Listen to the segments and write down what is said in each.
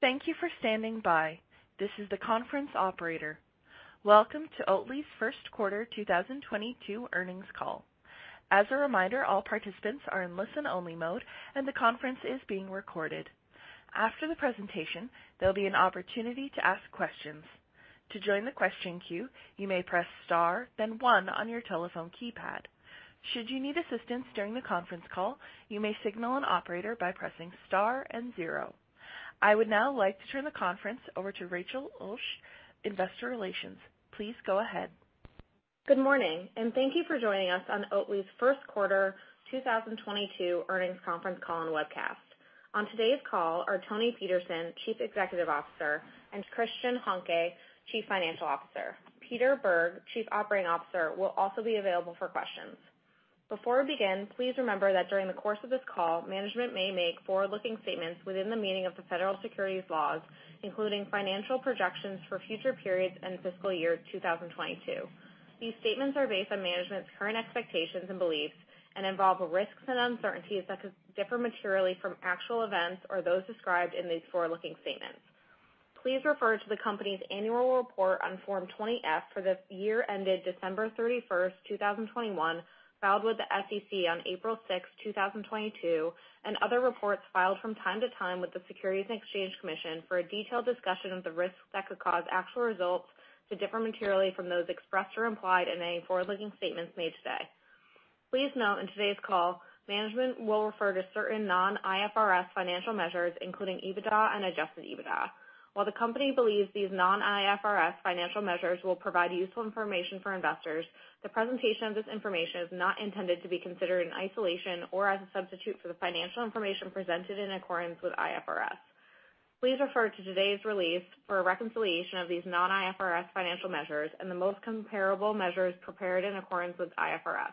Thank you for standing by. This is the conference operator. Welcome to Oatly's first quarter 2022 earnings call. As a reminder, all participants are in listen-only mode, and the conference is being recorded. After the presentation, there'll be an opportunity to ask questions. To join the question queue, you may press star then one on your telephone keypad. Should you need assistance during the conference call, you may signal an operator by pressing star and zero. I would now like to turn the conference over to Rachel Ulsh, Investor Relations. Please go ahead. Good morning, and thank you for joining us on Oatly's first quarter 2022 earnings conference call and webcast. On today's call are Toni Petersson, Chief Executive Officer, and Christian Hanke, Chief Financial Officer. Peter Bergh, Chief Operating Officer, will also be available for questions. Before we begin, please remember that during the course of this call, management may make forward-looking statements within the meaning of the federal securities laws, including financial projections for future periods and fiscal year 2022. These statements are based on management's current expectations and beliefs and involve risks and uncertainties that could differ materially from actual events or those described in these forward-looking statements. Please refer to the company's annual report on Form 20-F for the year ended December 31, 2021, filed with the SEC on April 6, 2022, and other reports filed from time to time with the Securities and Exchange Commission for a detailed discussion of the risks that could cause actual results to differ materially from those expressed or implied in any forward-looking statements made today. Please note on today's call, management will refer to certain non-IFRS financial measures, including EBITDA and adjusted EBITDA. While the company believes these non-IFRS financial measures will provide useful information for investors, the presentation of this information is not intended to be considered in isolation or as a substitute for the financial information presented in accordance with IFRS. Please refer to today's release for a reconciliation of these non-IFRS financial measures and the most comparable measures prepared in accordance with IFRS.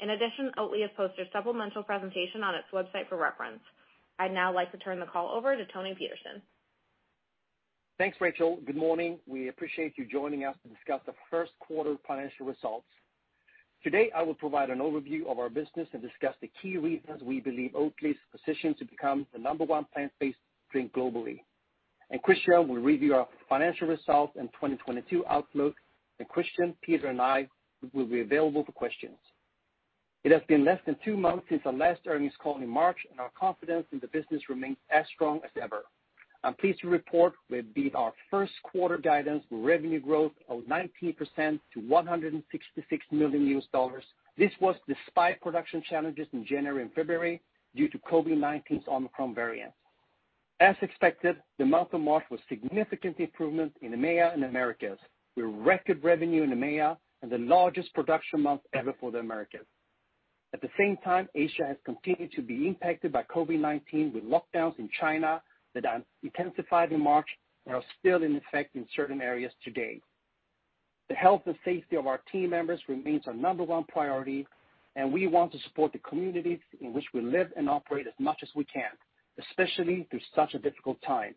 In addition, Oatly has posted a supplemental presentation on its website for reference. I'd now like to turn the call over to Toni Petersson. Thanks, Rachel. Good morning. We appreciate you joining us to discuss the first quarter financial results. Today, I will provide an overview of our business and discuss the key reasons we believe Oatly is positioned to become the number one plant-based drink globally. Christian will review our financial results and 2022 outlook. Christian, Peter, and I will be available for questions. It has been less than two months since our last earnings call in March, and our confidence in the business remains as strong as ever. I'm pleased to report we have beat our first quarter guidance with revenue growth of 19% to $166 million. This was despite production challenges in January and February due to COVID-19's Omicron variant. As expected, the month of March was a significant improvement in EMEA and Americas, with record revenue in EMEA and the largest production month ever for the Americas. At the same time, Asia has continued to be impacted by COVID-19 with lockdowns in China that intensified in March and are still in effect in certain areas today. The health and safety of our team members remains our number one priority, and we want to support the communities in which we live and operate as much as we can, especially through such a difficult time.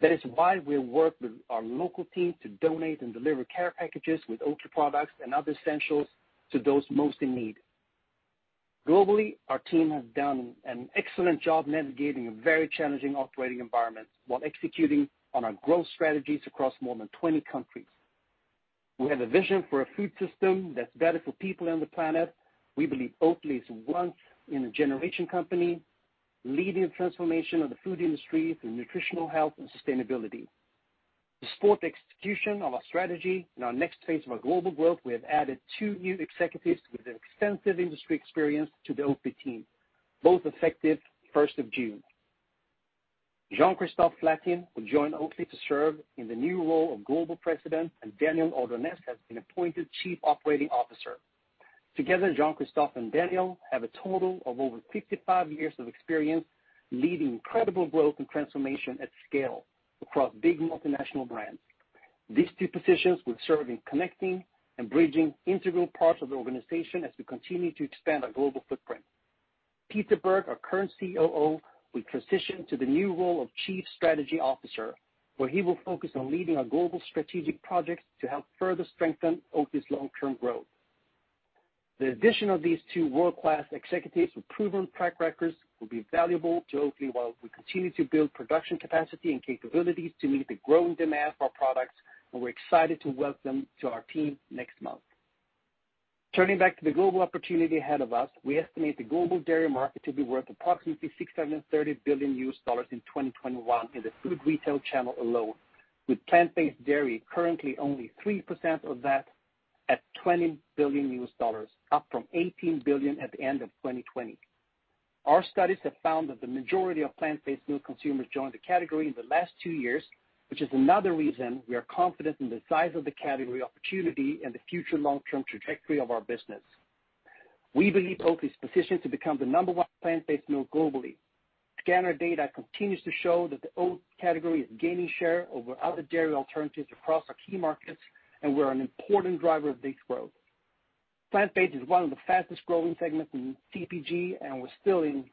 That is why we work with our local team to donate and deliver care packages with Oatly products and other essentials to those most in need. Globally, our team has done an excellent job navigating a very challenging operating environment while executing on our growth strategies across more than 20 countries. We have a vision for a food system that's better for people and the planet. We believe Oatly is once in a generation company leading the transformation of the food industry through nutritional health and sustainability. To support the execution of our strategy and our next phase of our global growth, we have added two new executives with extensive industry experience to the Oatly team, both effective first of June. Jean-Christophe Flatin will join Oatly to serve in the new role of Global President, and Daniel Ordoñez has been appointed Chief Operating Officer. Together, Jean-Christophe and Daniel have a total of over 55 years of experience leading incredible growth and transformation at scale across big multinational brands. These two positions will serve in connecting and bridging integral parts of the organization as we continue to expand our global footprint. Peter Bergh, our current COO, will transition to the new role of Chief Strategy Officer, where he will focus on leading our global strategic projects to help further strengthen Oatly's long-term growth. The addition of these two world-class executives with proven track records will be valuable to Oatly while we continue to build production capacity and capabilities to meet the growing demand for our products, and we're excited to welcome them to our team next month. Turning back to the global opportunity ahead of us, we estimate the global dairy market to be worth approximately $630 billion in 2021 in the food retail channel alone, with plant-based dairy currently only 3% of that at $20 billion, up from $18 billion at the end of 2020. Our studies have found that the majority of plant-based milk consumers joined the category in the last two years, which is another reason we are confident in the size of the category opportunity and the future long-term trajectory of our business. We believe Oatly is positioned to become the number one plant-based milk globally. Scanner data continues to show that the Oat category is gaining share over other dairy alternatives across our key markets, and we're an important driver of this growth. Plant-based is one of the fastest-growing segments in CPG, and we're still in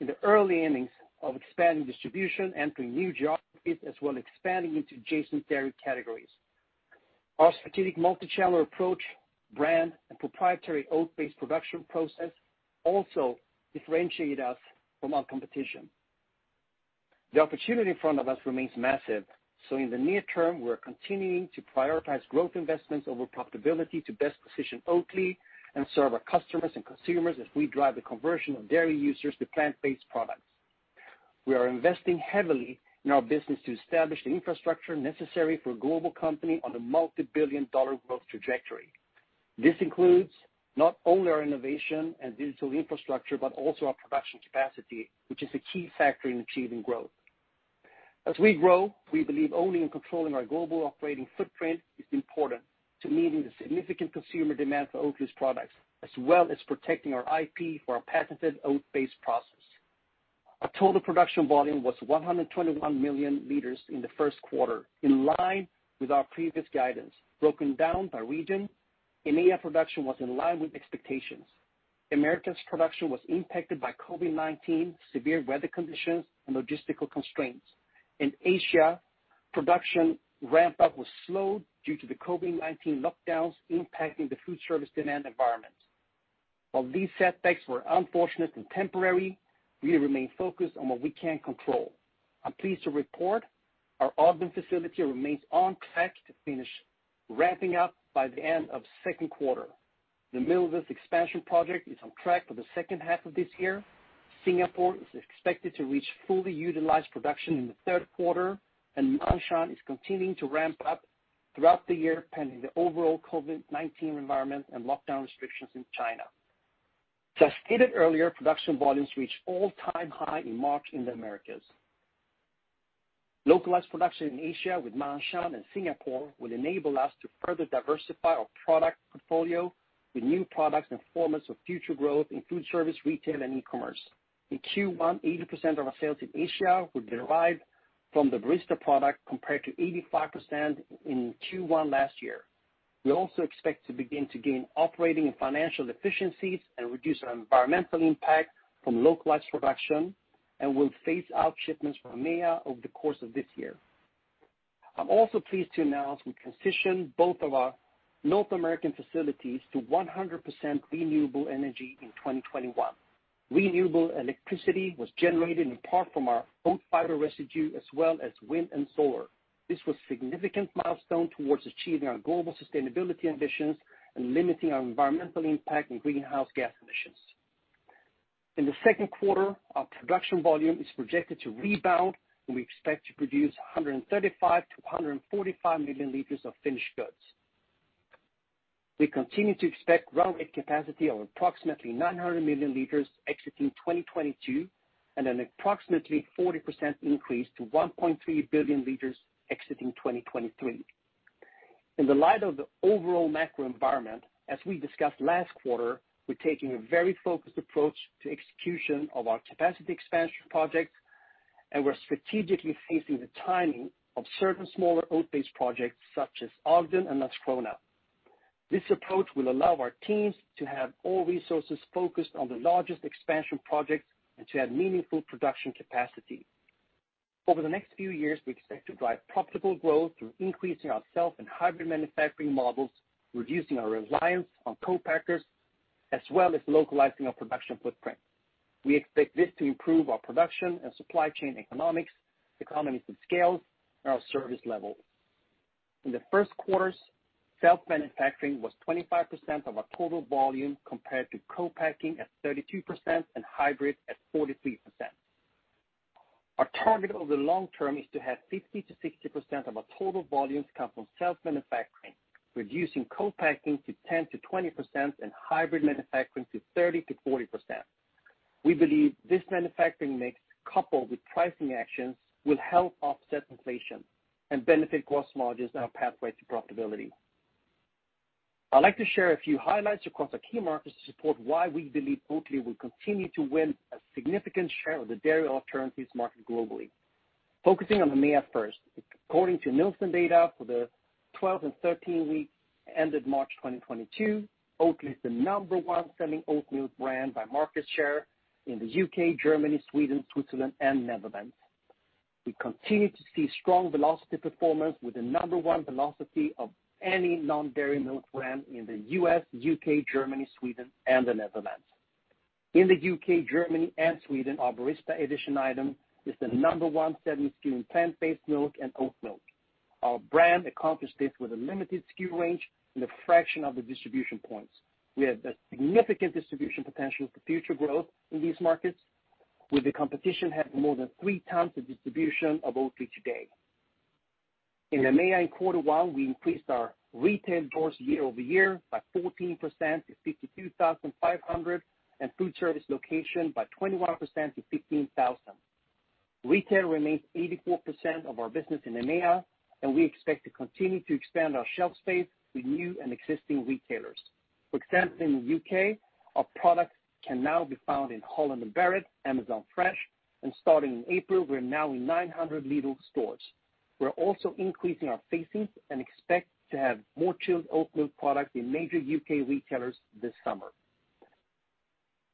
the early innings of expanding distribution, entering new geographies, as well as expanding into adjacent dairy categories. Our strategic multi-channel approach, brand, and proprietary oat-based production process also differentiate us from our competition. The opportunity in front of us remains massive, so in the near term, we're continuing to prioritize growth investments over profitability to best position Oatly and serve our customers and consumers as we drive the conversion of dairy users to plant-based products. We are investing heavily in our business to establish the infrastructure necessary for a global company on a multi-billion dollar growth trajectory. This includes not only our innovation and digital infrastructure, but also our production capacity, which is a key factor in achieving growth. As we grow, we believe owning and controlling our global operating footprint is important to meeting the significant consumer demand for Oatly's products, as well as protecting our IP for our patented oat-based process. Our total production volume was 121 million liters in the first quarter, in line with our previous guidance. Broken down by region, EMEA production was in line with expectations. Americas production was impacted by COVID-19, severe weather conditions, and logistical constraints. In Asia, production ramp up was slowed due to the COVID-19 lockdowns impacting the food service demand environment. While these setbacks were unfortunate and temporary, we remain focused on what we can control. I'm pleased to report our Ogden facility remains on track to finish ramping up by the end of second quarter. The Millville expansion project is on track for the second half of this year. Singapore is expected to reach fully utilized production in the third quarter, and Ma'anshan is continuing to ramp up throughout the year, pending the overall COVID-19 environment and lockdown restrictions in China. As stated earlier, production volumes reached all-time high in March in the Americas. Localized production in Asia with Ma'anshan and Singapore will enable us to further diversify our product portfolio with new products and formats of future growth in food service, retail, and e-commerce. In Q1, 80% of our sales in Asia were derived from the barista product compared to 85% in Q1 last year. We also expect to begin to gain operating and financial efficiencies and reduce our environmental impact from localized production, and we'll phase out shipments from EMEA over the course of this year. I'm also pleased to announce we transitioned both of our North American facilities to 100% renewable energy in 2021. Renewable electricity was generated in part from our oat fiber residue as well as wind and solar. This was a significant milestone towards achieving our global sustainability ambitions and limiting our environmental impact in greenhouse gas emissions. In the second quarter, our production volume is projected to rebound, and we expect to produce 135-145 million liters of finished goods. We continue to expect run rate capacity of approximately 900 million liters exiting 2022, and an approximately 40% increase to 1.3 billion liters exiting 2023. In the light of the overall macro environment, as we discussed last quarter, we're taking a very focused approach to execution of our capacity expansion projects, and we're strategically phasing the timing of certain smaller oat-based projects such as Ogden and Landskrona. This approach will allow our teams to have all resources focused on the largest expansion projects and to add meaningful production capacity. Over the next few years, we expect to drive profitable growth through increasing our self and hybrid manufacturing models, reducing our reliance on co-packers, as well as localizing our production footprint. We expect this to improve our production and supply chain economics, economies of scale, and our service levels. In the first quarters, self-manufacturing was 25% of our total volume compared to co-packing at 32% and hybrid at 43%. Our target over the long term is to have 50%-60% of our total volumes come from self-manufacturing, reducing co-packing to 10%-20% and hybrid manufacturing to 30%-40%. We believe this manufacturing mix, coupled with pricing actions, will help offset inflation and benefit gross margins on our pathway to profitability. I'd like to share a few highlights across our key markets to support why we believe Oatly will continue to win a significant share of the dairy alternatives market globally. Focusing on EMEA first. According to Nielsen data for the 12 and 13 weeks ended March 2022, Oatly is the number one selling oat milk brand by market share in the U.K., Germany, Sweden, Switzerland, and Netherlands. We continue to see strong velocity performance with the number one velocity of any non-dairy milk brand in the U.S., U.K., Germany, Sweden, and the Netherlands. In the U.K., Germany, and Sweden, our Barista Edition item is the number one selling SKU in plant-based milk and oat milk. Our brand accomplished this with a limited SKU range and a fraction of the distribution points. We have a significant distribution potential for future growth in these markets, with the competition having more than three times the distribution of Oatly today. In EMEA in quarter one, we increased our retail doors year over year by 14% to 52,500, and food service locations by 21% to 15,000. Retail remains 84% of our business in EMEA, and we expect to continue to expand our shelf space with new and existing retailers. For example, in the U.K., our products can now be found in Holland & Barrett, Amazon Fresh, and starting in April, we're now in 900 Lidl stores. We're also increasing our facings and expect to have more chilled oat milk product in major U.K. retailers this summer.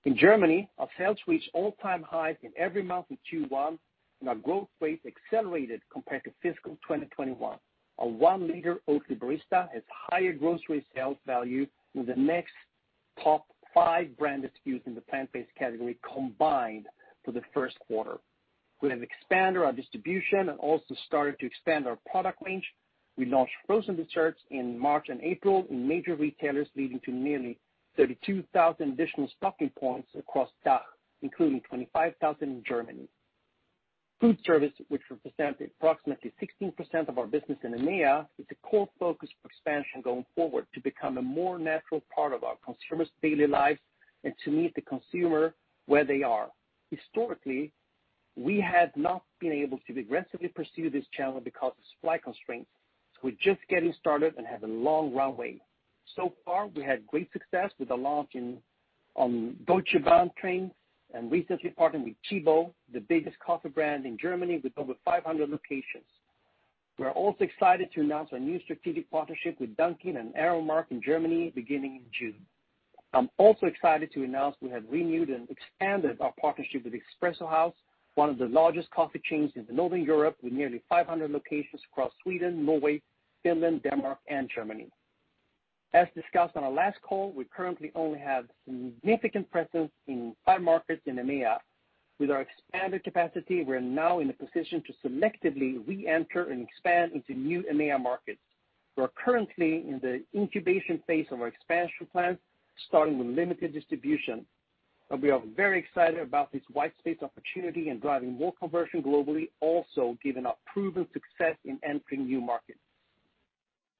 In Germany, our sales reached all-time highs in every month in Q1, and our growth rate accelerated compared to fiscal 2021. Our one-liter Oatly Barista has higher grocery sales value than the next top five brand SKUs in the plant-based category combined for the first quarter. We have expanded our distribution and also started to expand our product range. We launched frozen desserts in March and April in major retailers, leading to nearly 32,000 additional stocking points across DACH, including 25,000 in Germany. Food service, which represents approximately 16% of our business in EMEA, is a core focus for expansion going forward to become a more natural part of our consumers' daily lives and to meet the consumer where they are. Historically, we have not been able to aggressively pursue this channel because of supply constraints, so we're just getting started and have a long runway. So far, we had great success with the launch in, on Deutsche Bahn trains and recently partnered with Tchibo, the biggest coffee brand in Germany, with over 500 locations. We are also excited to announce our new strategic partnership with Dunkin' and Aramark in Germany beginning in June. I'm also excited to announce we have renewed and expanded our partnership with Espresso House, one of the largest coffee chains in the Northern Europe, with nearly 500 locations across Sweden, Norway, Finland, Denmark, and Germany. As discussed on our last call, we currently only have significant presence in five markets in EMEA. With our expanded capacity, we're now in a position to selectively re-enter and expand into new EMEA markets. We are currently in the incubation phase of our expansion plans, starting with limited distribution, but we are very excited about this white space opportunity and driving more conversion globally, also given our proven success in entering new markets.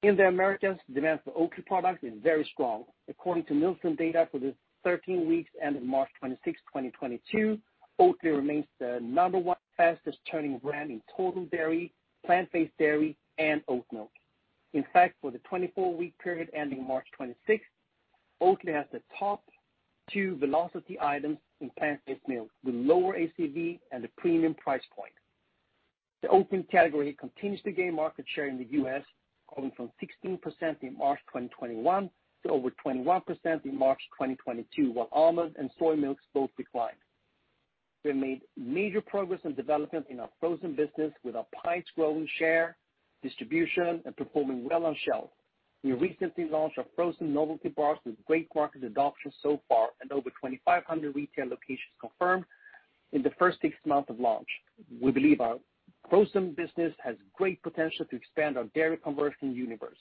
In the Americas, demand for Oatly products is very strong. According to Nielsen data for the 13 weeks ending March 26, 2022, Oatly remains the number one fastest turning brand in total dairy, plant-based dairy, and oat milk. In fact, for the 24-week period ending March 26, Oatly has the top two velocity items in plant-based milk with lower ACV and a premium price point. The oat milk category continues to gain market share in the U.S., growing from 16% in March 2021 to over 21% in March 2022, while almond and soy milks both declined. We have made major progress and development in our frozen business with our highest growing share, distribution, and performing well on shelf. We recently launched our frozen novelty bars with great market adoption so far and over 2,500 retail locations confirmed in the first six months of launch. We believe our frozen business has great potential to expand our dairy conversion universe.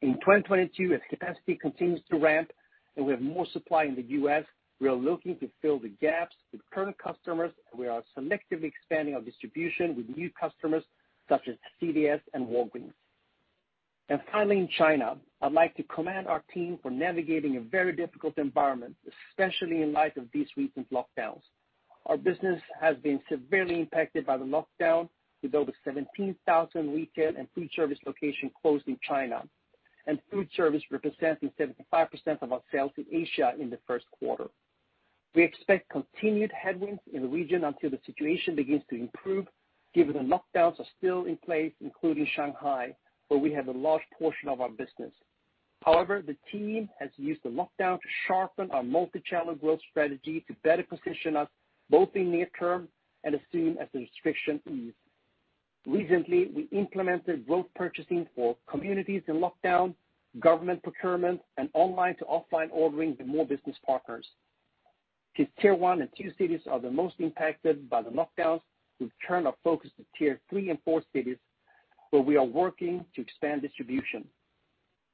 In 2022, as capacity continues to ramp and we have more supply in the U.S., we are looking to fill the gaps with current customers, and we are selectively expanding our distribution with new customers such as CVS and Walgreens. Finally, in China, I'd like to commend our team for navigating a very difficult environment, especially in light of these recent lockdowns. Our business has been severely impacted by the lockdown, with over 17,000 retail and food service locations closed in China. Food service represents 75% of our sales in Asia in the first quarter. We expect continued headwinds in the region until the situation begins to improve, given the lockdowns are still in place, including Shanghai, where we have a large portion of our business. However, the team has used the lockdown to sharpen our multi-channel growth strategy to better position us both in near term and as soon as the restrictions ease. Recently, we implemented growth purchasing for communities in lockdown, government procurement, and online to offline ordering with more business partners. Since tier one and two cities are the most impacted by the lockdowns, we've turned our focus to tier three and four cities, where we are working to expand distribution.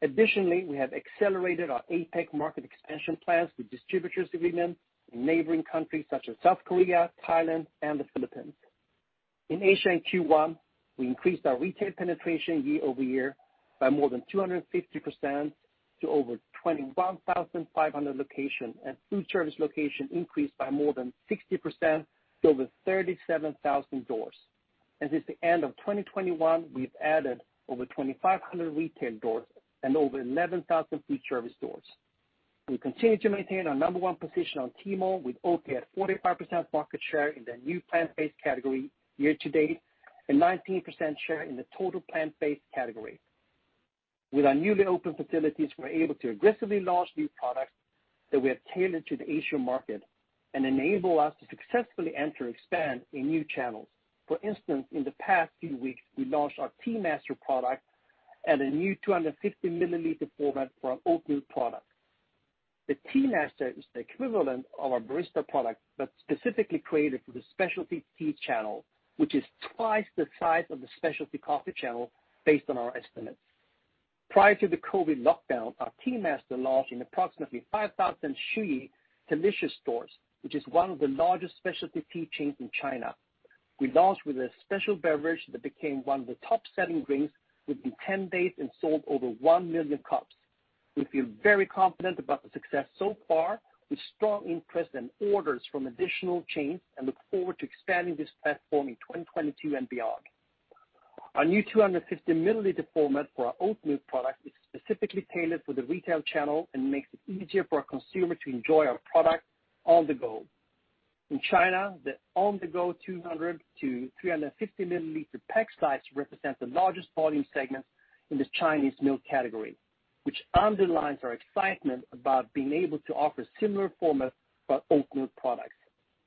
Additionally, we have accelerated our APAC market expansion plans with distributor agreements in neighboring countries such as South Korea, Thailand, and the Philippines. In Asia in Q1, we increased our retail penetration YoY by more than 250% to over 21,500 locations, and food service locations increased by more than 60% to over 37,000 doors. Since the end of 2021, we've added over 2,500 retail doors and over 11,000 food service doors. We continue to maintain our number one position on Tmall, with Oatly at 45% market share in the new plant-based category year to date, and 19% share in the total plant-based category. With our newly opened facilities, we're able to aggressively launch new products that we have tailored to the Asian market and enable us to successfully enter and expand in new channels. For instance, in the past few weeks, we launched our Tea-Master product and a new 250 ml format for our oat milk product. The Tea-Master is the equivalent of our Barista product, but specifically created for the specialty tea channel, which is twice the size of the specialty coffee channel based on our estimates. Prior to the COVID lockdown, our Tea-Master launched in approximately 5,000 HEYTEA stores, which is one of the largest specialty tea chains in China. We launched with a special beverage that became one of the top-selling drinks within 10 days and sold over one million cups. We feel very confident about the success so far, with strong interest and orders from additional chains, and look forward to expanding this platform in 2022 and beyond. Our new 250-mL format for our oat milk product is specifically tailored for the retail channel and makes it easier for a consumer to enjoy our product on the go. In China, the on-the-go 200- to 350-mL pack size represents the largest volume segment in the Chinese milk category, which underlines our excitement about being able to offer similar formats for oat milk products.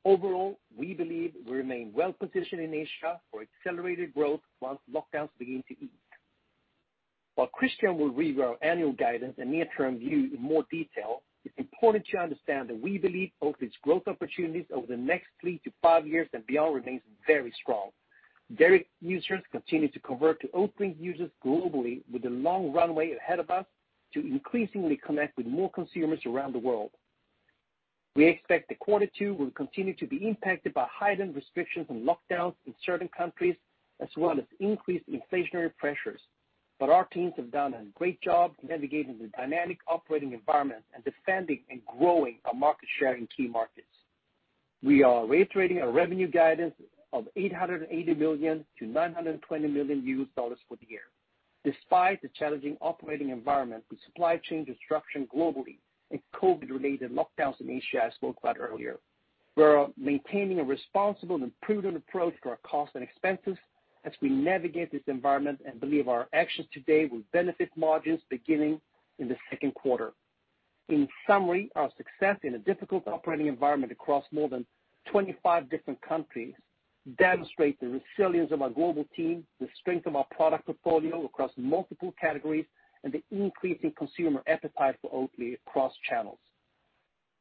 Overall, we believe we remain well positioned in Asia for accelerated growth once lockdowns begin to ease. While Christian will read our annual guidance and near-term view in more detail, it's important to understand that we believe Oatly's growth opportunities over the next three to five years and beyond remains very strong. Dairy users continue to convert to Oatly users globally, with a long runway ahead of us to increasingly connect with more consumers around the world. We expect that quarter two will continue to be impacted by heightened restrictions and lockdowns in certain countries, as well as increased inflationary pressures. Our teams have done a great job navigating the dynamic operating environment and defending and growing our market share in key markets. We are reiterating our revenue guidance of $880 million-$920 million for the year, despite the challenging operating environment with supply chain disruption globally and COVID-related lockdowns in Asia, as I spoke about earlier. We are maintaining a responsible and prudent approach to our costs and expenses as we navigate this environment and believe our actions today will benefit margins beginning in the second quarter. In summary, our success in a difficult operating environment across more than 25 different countries demonstrate the resilience of our global team, the strength of our product portfolio across multiple categories, and the increasing consumer appetite for Oatly across channels.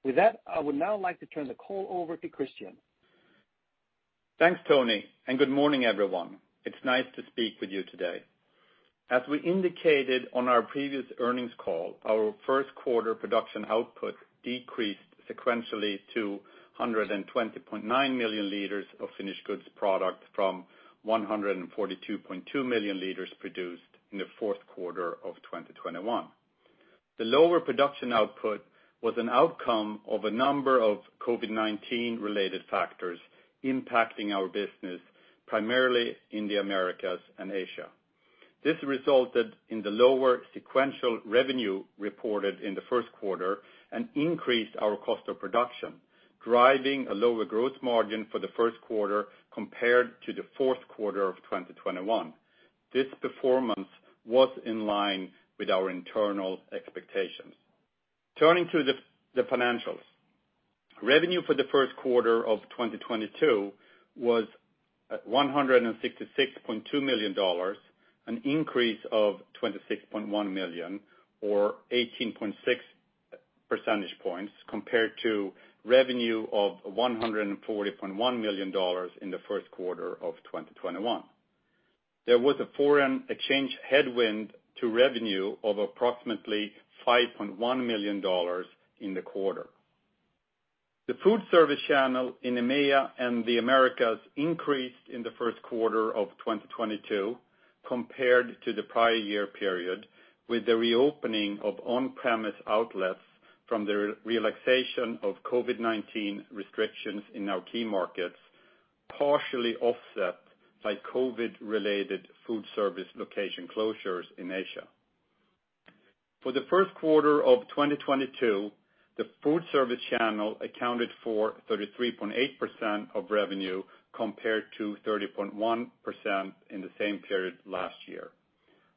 With that, I would now like to turn the call over to Christian. Thanks, Toni, and good morning, everyone. It's nice to speak with you today. As we indicated on our previous earnings call, our first quarter production output decreased sequentially to 120.9 million liters of finished goods product from 142.2 million liters produced in the fourth quarter of 2021. The lower production output was an outcome of a number of COVID-19 related factors impacting our business, primarily in the Americas and Asia. This resulted in the lower sequential revenue reported in the first quarter and increased our cost of production, driving a lower gross margin for the first quarter compared to the fourth quarter of 2021. This performance was in line with our internal expectations. Turning to the financials. Revenue for the first quarter of 2022 was at $166.2 million, an increase of $26.1 million or 18.6 percentage points compared to revenue of $140.1 million in the first quarter of 2021. There was a foreign exchange headwind to revenue of approximately $5.1 million in the quarter. The food service channel in EMEA and the Americas increased in the first quarter of 2022 compared to the prior year period, with the reopening of on-premise outlets from the re-relaxation of COVID-19 restrictions in our key markets, partially offset by COVID-related food service location closures in Asia. For the first quarter of 2022, the food service channel accounted for 33.8% of revenue compared to 30.1% in the same period last year.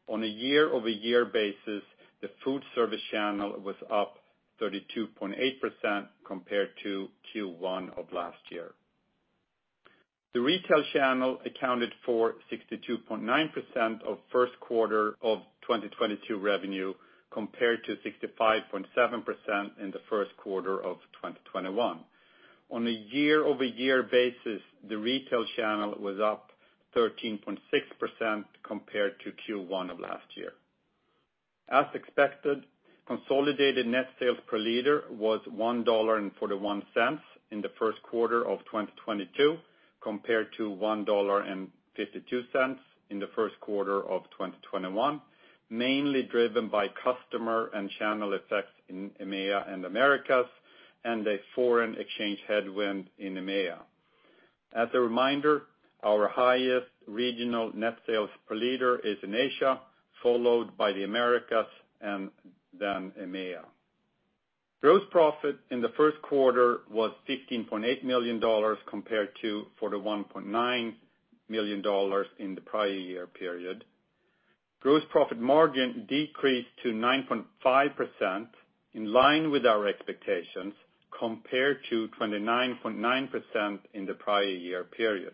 On a YoY basis, the food service channel was up 32.8% compared to Q1 of last year. The retail channel accounted for 62.9% of first quarter of 2022 revenue compared to 65.7% in the first quarter of 2021. On a YoY basis, the retail channel was up 13.6% compared to Q1 of last year. As expected, consolidated net sales per liter was $1.41 in the first quarter of 2022 compared to $1.52 in the first quarter of 2021, mainly driven by customer and channel effects in EMEA and Americas and a foreign exchange headwind in EMEA. As a reminder, our highest regional net sales per liter is in Asia, followed by the Americas and then EMEA. Gross profit in the first quarter was $15.8 million compared to $41.9 million in the prior year period. Gross profit margin decreased to 9.5%, in line with our expectations, compared to 29.9% in the prior year period.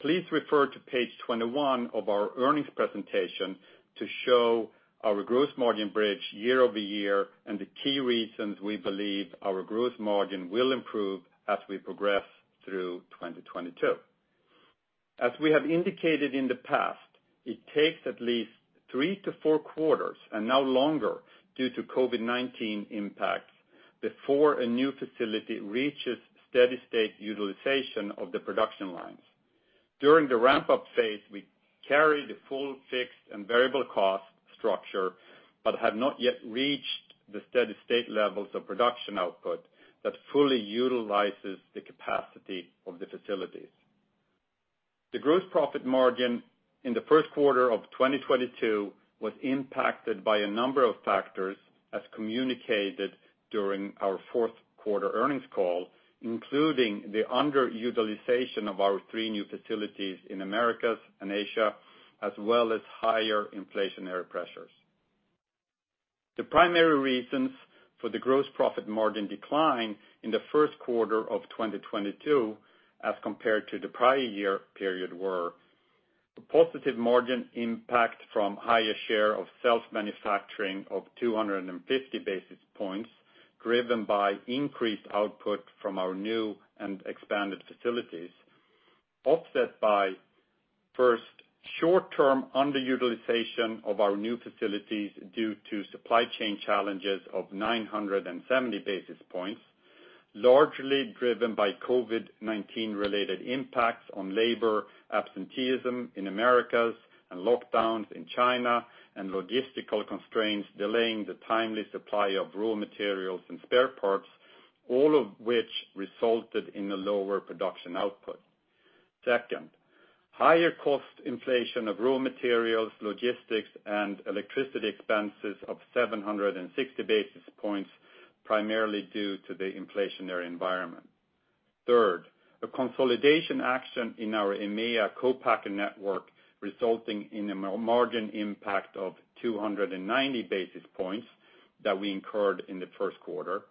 Please refer to page 21 of our earnings presentation to show our gross margin bridge YoY and the key reasons we believe our gross margin will improve as we progress through 2022. It takes at least three to four quarters and now longer due to COVID-19 impacts before a new facility reaches steady state utilization of the production lines. During the ramp-up phase, we carry the full fixed and variable cost structure, but have not yet reached the steady state levels of production output that fully utilizes the capacity of the facilities. The gross profit margin in the first quarter of 2022 was impacted by a number of factors, as communicated during our fourth quarter earnings call, including the underutilization of our three new facilities in Americas and Asia, as well as higher inflationary pressures. The primary reasons for the gross profit margin decline in the first quarter of 2022, as compared to the prior year period were the positive margin impact from higher share of self-manufacturing of 250 basis points, driven by increased output from our new and expanded facilities, offset by first, short-term underutilization of our new facilities due to supply chain challenges of 970 basis points, largely driven by COVID-19 related impacts on labor absenteeism in Americas, and lockdowns in China, and logistical constraints delaying the timely supply of raw materials and spare parts, all of which resulted in a lower production output. Second, higher cost inflation of raw materials, logistics, and electricity expenses of 760 basis points, primarily due to the inflationary environment. Third, a consolidation action in our EMEA co-packer network, resulting in a margin impact of 290 basis points that we incurred in the first quarter,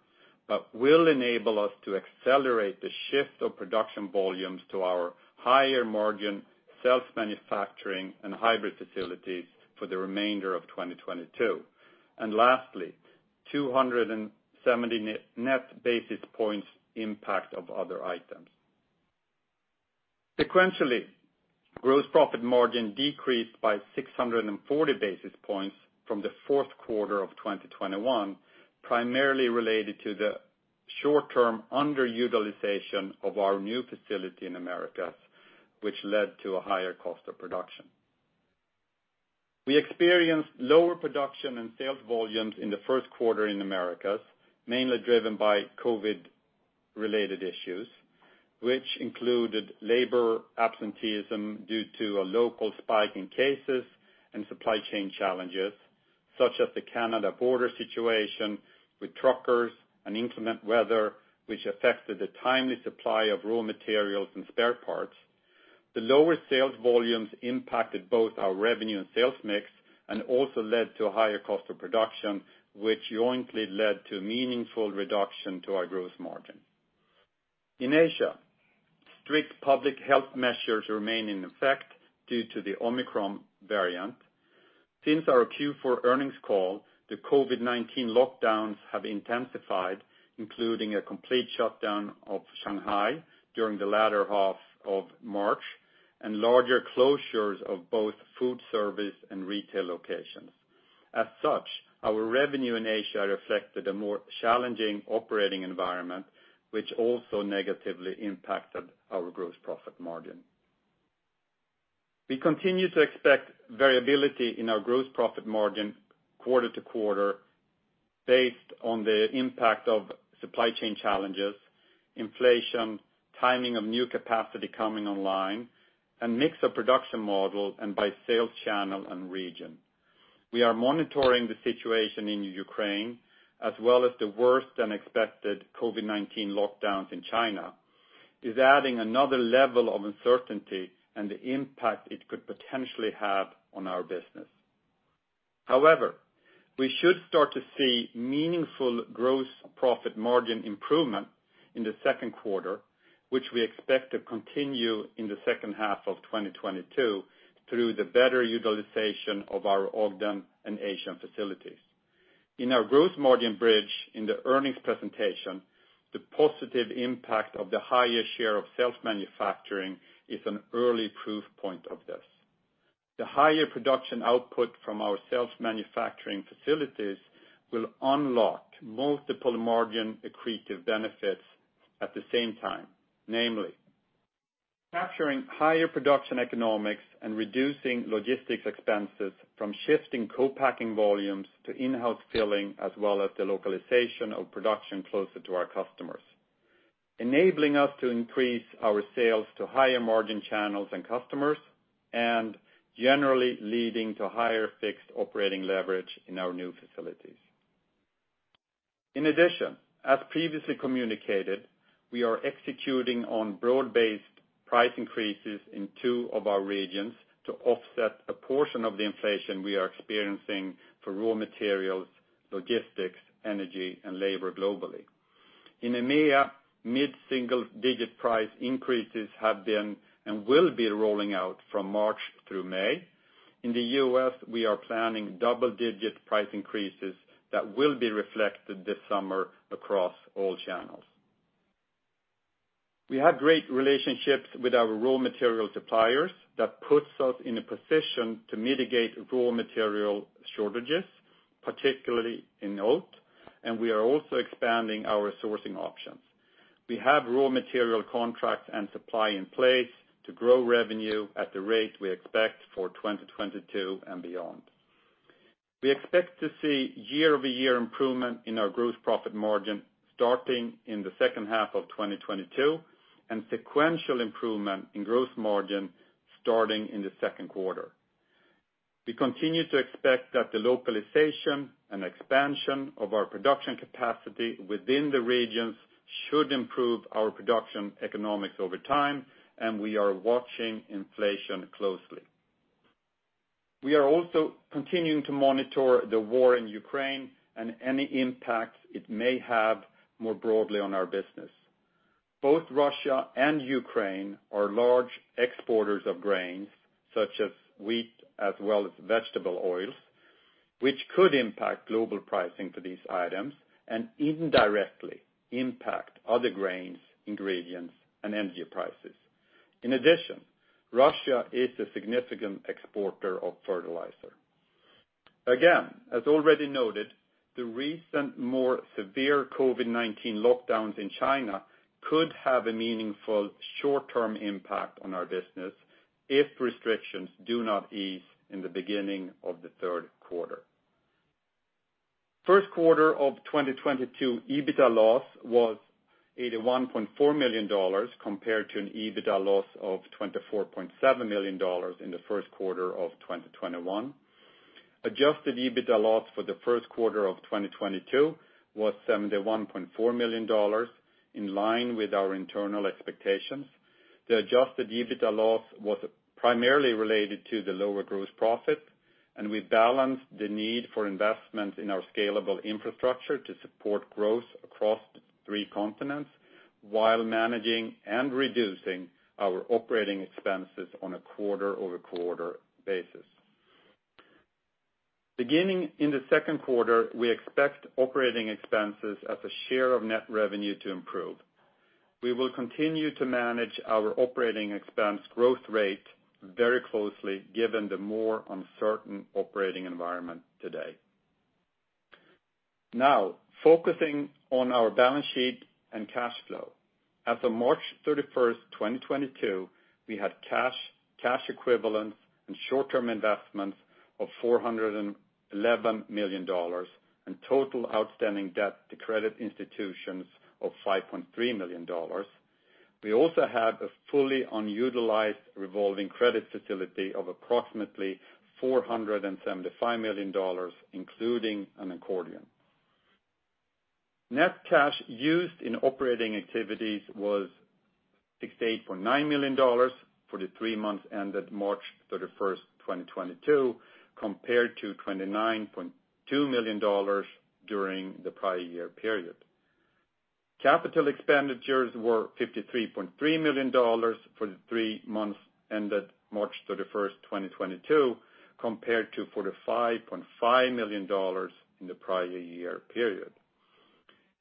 but will enable us to accelerate the shift of production volumes to our higher margin self-manufacturing and hybrid facilities for the remainder of 2022. Lastly, 270 net-net basis points impact of other items. Sequentially, gross profit margin decreased by 640 basis points from the fourth quarter of 2021, primarily related to the short-term underutilization of our new facility in Americas, which led to a higher cost of production. We experienced lower production and sales volumes in the first quarter in Americas, mainly driven by COVID-related issues, which included labor absenteeism due to a local spike in cases and supply chain challenges, such as the Canada border situation with truckers and inclement weather, which affected the timely supply of raw materials and spare parts. The lower sales volumes impacted both our revenue and sales mix and also led to a higher cost of production, which jointly led to meaningful reduction to our gross margin. In Asia, strict public health measures remain in effect due to the Omicron variant. Since our Q4 earnings call, the COVID-19 lockdowns have intensified, including a complete shutdown of Shanghai during the latter half of March, and larger closures of both food service and retail locations. As such, our revenue in Asia reflected a more challenging operating environment, which also negatively impacted our gross profit margin. We continue to expect variability in our gross profit margin quarter to quarter based on the impact of supply chain challenges, inflation, timing of new capacity coming online, and mix of production model, and by sales channel and region. We are monitoring the situation in Ukraine, as well as the worse than expected COVID-19 lockdowns in China, is adding another level of uncertainty and the impact it could potentially have on our business. However, we should start to see meaningful gross profit margin improvement in the second quarter, which we expect to continue in the second half of 2022 through the better utilization of our Ogden and Asian facilities. In our gross margin bridge in the earnings presentation, the positive impact of the higher share of self-manufacturing is an early proof point of this. The higher production output from our self-manufacturing facilities will unlock multiple margin accretive benefits at the same time, namely, capturing higher production economics and reducing logistics expenses from shifting co-packing volumes to in-house filling, as well as the localization of production closer to our customers, enabling us to increase our sales to higher margin channels and customers, and generally leading to higher fixed operating leverage in our new facilities. In addition, as previously communicated, we are executing on broad-based price increases in two of our regions to offset a portion of the inflation we are experiencing for raw materials, logistics, energy, and labor globally. In EMEA, mid-single digit price increases have been and will be rolling out from March through May. In the U.S., we are planning double-digit price increases that will be reflected this summer across all channels. We have great relationships with our raw material suppliers that puts us in a position to mitigate raw material shortages, particularly in oat, and we are also expanding our sourcing options. We have raw material contracts and supply in place to grow revenue at the rate we expect for 2022 and beyond. We expect to see YoY improvement in our gross profit margin starting in the second half of 2022, and sequential improvement in gross margin starting in the second quarter. We continue to expect that the localization and expansion of our production capacity within the regions should improve our production economics over time, and we are watching inflation closely. We are also continuing to monitor the war in Ukraine and any impact it may have more broadly on our business. Both Russia and Ukraine are large exporters of grains such as wheat as well as vegetable oils, which could impact global pricing for these items and indirectly impact other grains, ingredients, and energy prices. In addition, Russia is a significant exporter of fertilizer. Again, as already noted, the recent more severe COVID-19 lockdowns in China could have a meaningful short-term impact on our business if restrictions do not ease in the beginning of the third quarter. First quarter of 2022, EBITDA loss was $81.4 million compared to an EBITDA loss of $24.7 million in the first quarter of 2021. Adjusted EBITDA loss for the first quarter of 2022 was $71.4 million, in line with our internal expectations. The adjusted EBITDA loss was primarily related to the lower gross profit, and we balanced the need for investment in our scalable infrastructure to support growth across three continents while managing and reducing our operating expenses on a QoQ basis. Beginning in the second quarter, we expect operating expenses as a share of net revenue to improve. We will continue to manage our operating expense growth rate very closely given the more uncertain operating environment today. Now, focusing on our balance sheet and cash flow. As of March 31st, 2022, we had cash equivalents, and short-term investments of $411 million, and total outstanding debt to credit institutions of $5.3 million. We also have a fully unutilized revolving credit facility of approximately $475 million, including an accordion. Net cash used in operating activities was $68.9 million for the three months ended March 31, 2022, compared to $29.2 million during the prior year period. Capital expenditures were $53.3 million for the three months ended March 31st, 2022, compared to $45.5 million in the prior year period.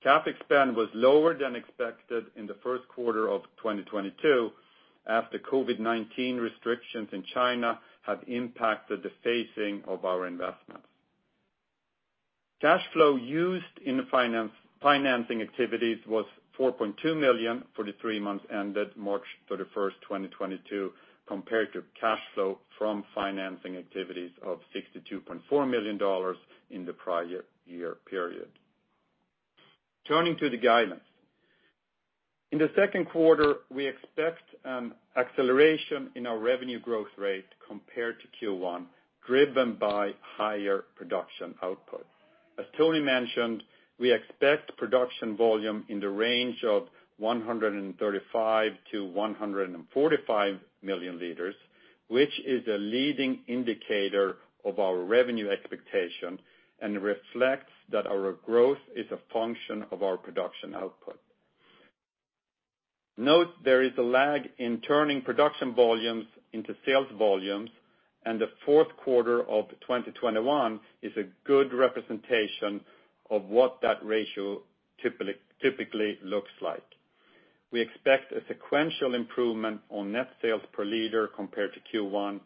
CapEx spend was lower than expected in the first quarter of 2022 after COVID-19 restrictions in China have impacted the phasing of our investments. Cash flow used in financing activities was $4.2 million for the three months ended March 31, 2022, compared to cash flow from financing activities of $62.4 million in the prior year period. Turning to the guidance. In the second quarter, we expect acceleration in our revenue growth rate compared to Q1, driven by higher production output. As Tony mentioned, we expect production volume in the range of 135-145 million liters, which is a leading indicator of our revenue expectation and reflects that our growth is a function of our production output. Note there is a lag in turning production volumes into sales volumes, and the fourth quarter of 2021 is a good representation of what that ratio typically looks like. We expect a sequential improvement on net sales per liter compared to Q1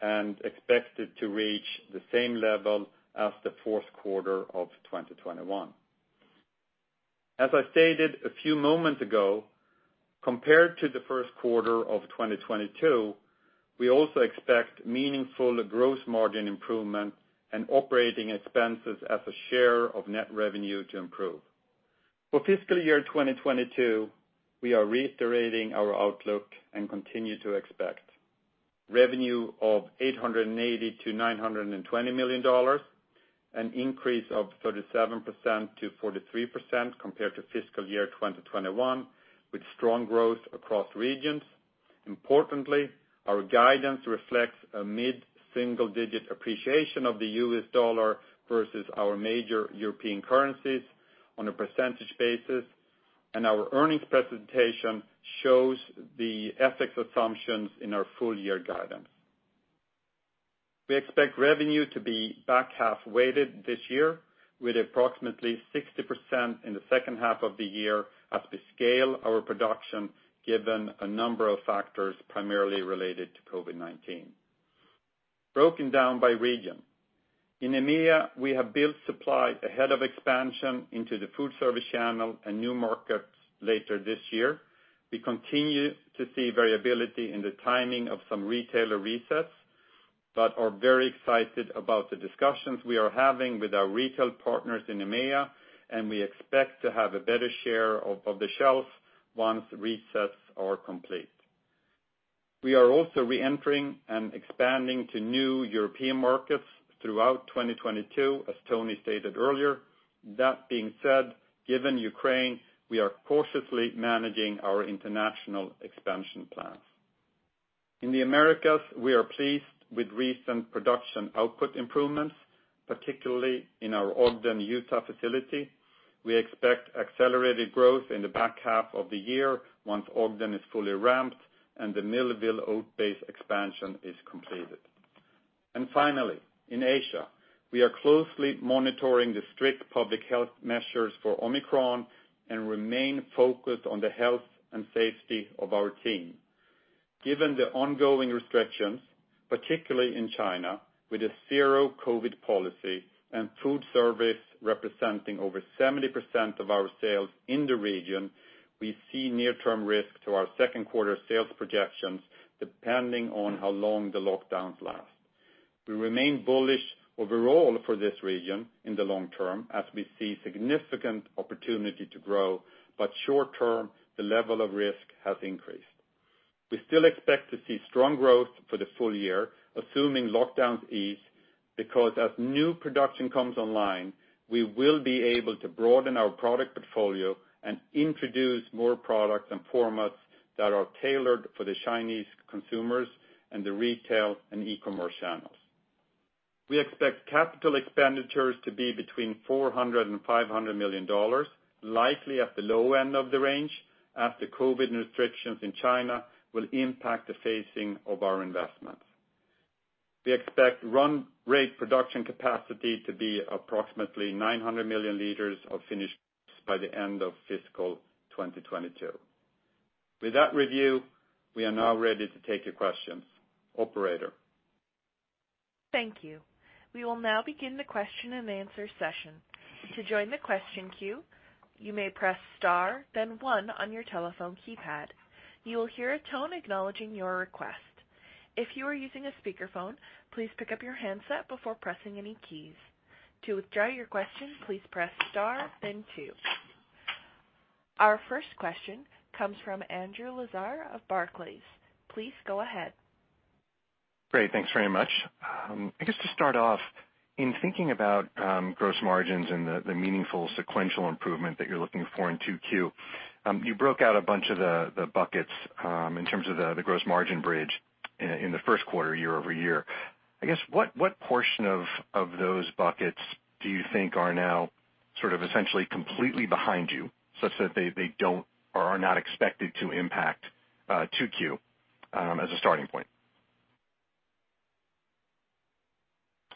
and expect it to reach the same level as the fourth quarter of 2021. As I stated a few moments ago, compared to the first quarter of 2022, we also expect meaningful gross margin improvement and operating expenses as a share of net revenue to improve. For fiscal year 2022, we are reiterating our outlook and continue to expect revenue of $880 million-$920 million, an increase of 37%-43% compared to fiscal year 2021, with strong growth across regions. Importantly, our guidance reflects a mid-single digit appreciation of the U.S. dollar versus our major European currencies on a percentage basis, and our earnings presentation shows the FX assumptions in our full year guidance. We expect revenue to be back half weighted this year with approximately 60% in the second half of the year as we scale our production given a number of factors primarily related to COVID-19. Broken down by region. In EMEA, we have built supply ahead of expansion into the food service channel and new markets later this year. We continue to see variability in the timing of some retailer resets, but are very excited about the discussions we are having with our retail partners in EMEA, and we expect to have a better share of the shelf once resets are complete. We are also reentering and expanding to new European markets throughout 2022, as Toni stated earlier. That being said, given Ukraine, we are cautiously managing our international expansion plans. In the Americas, we are pleased with recent production output improvements, particularly in our Ogden, Utah facility. We expect accelerated growth in the back half of the year once Ogden is fully ramped and the Millville oat-based expansion is completed. Finally, in Asia, we are closely monitoring the strict public health measures for Omicron and remain focused on the health and safety of our team. Given the ongoing restrictions, particularly in China, with a zero COVID-19 policy and food service representing over 70% of our sales in the region, we see near-term risk to our second quarter sales projections depending on how long the lockdowns last. We remain bullish overall for this region in the long term as we see significant opportunity to grow, but short term, the level of risk has increased. We still expect to see strong growth for the full year, assuming lockdowns ease, because as new production comes online, we will be able to broaden our product portfolio and introduce more products and formats that are tailored for the Chinese consumers and the retail and e-commerce channels. We expect capital expenditures to be between $400 million-$500 million, likely at the low end of the range, as the COVID restrictions in China will impact the phasing of our investments. We expect run rate production capacity to be approximately 900 million liters of finished by the end of fiscal 2022. With that review, we are now ready to take your questions. Operator? Thank you. We will now begin the question and answer session. To join the question queue, you may press star then one on your telephone keypad. You will hear a tone acknowledging your request. If you are using a speakerphone, please pick up your handset before pressing any keys. To withdraw your question, please press star then two. Our first question comes from Andrew Lazar of Barclays. Please go ahead. Great. Thanks very much. I guess to start off, in thinking about gross margins and the meaningful sequential improvement that you're looking for in 2Q, you broke out a bunch of the buckets in terms of the gross margin bridge in the first quarter, YoY. I guess, what portion of those buckets do you think are now sort of essentially completely behind you such that they don't or are not expected to impact 2Q as a starting point?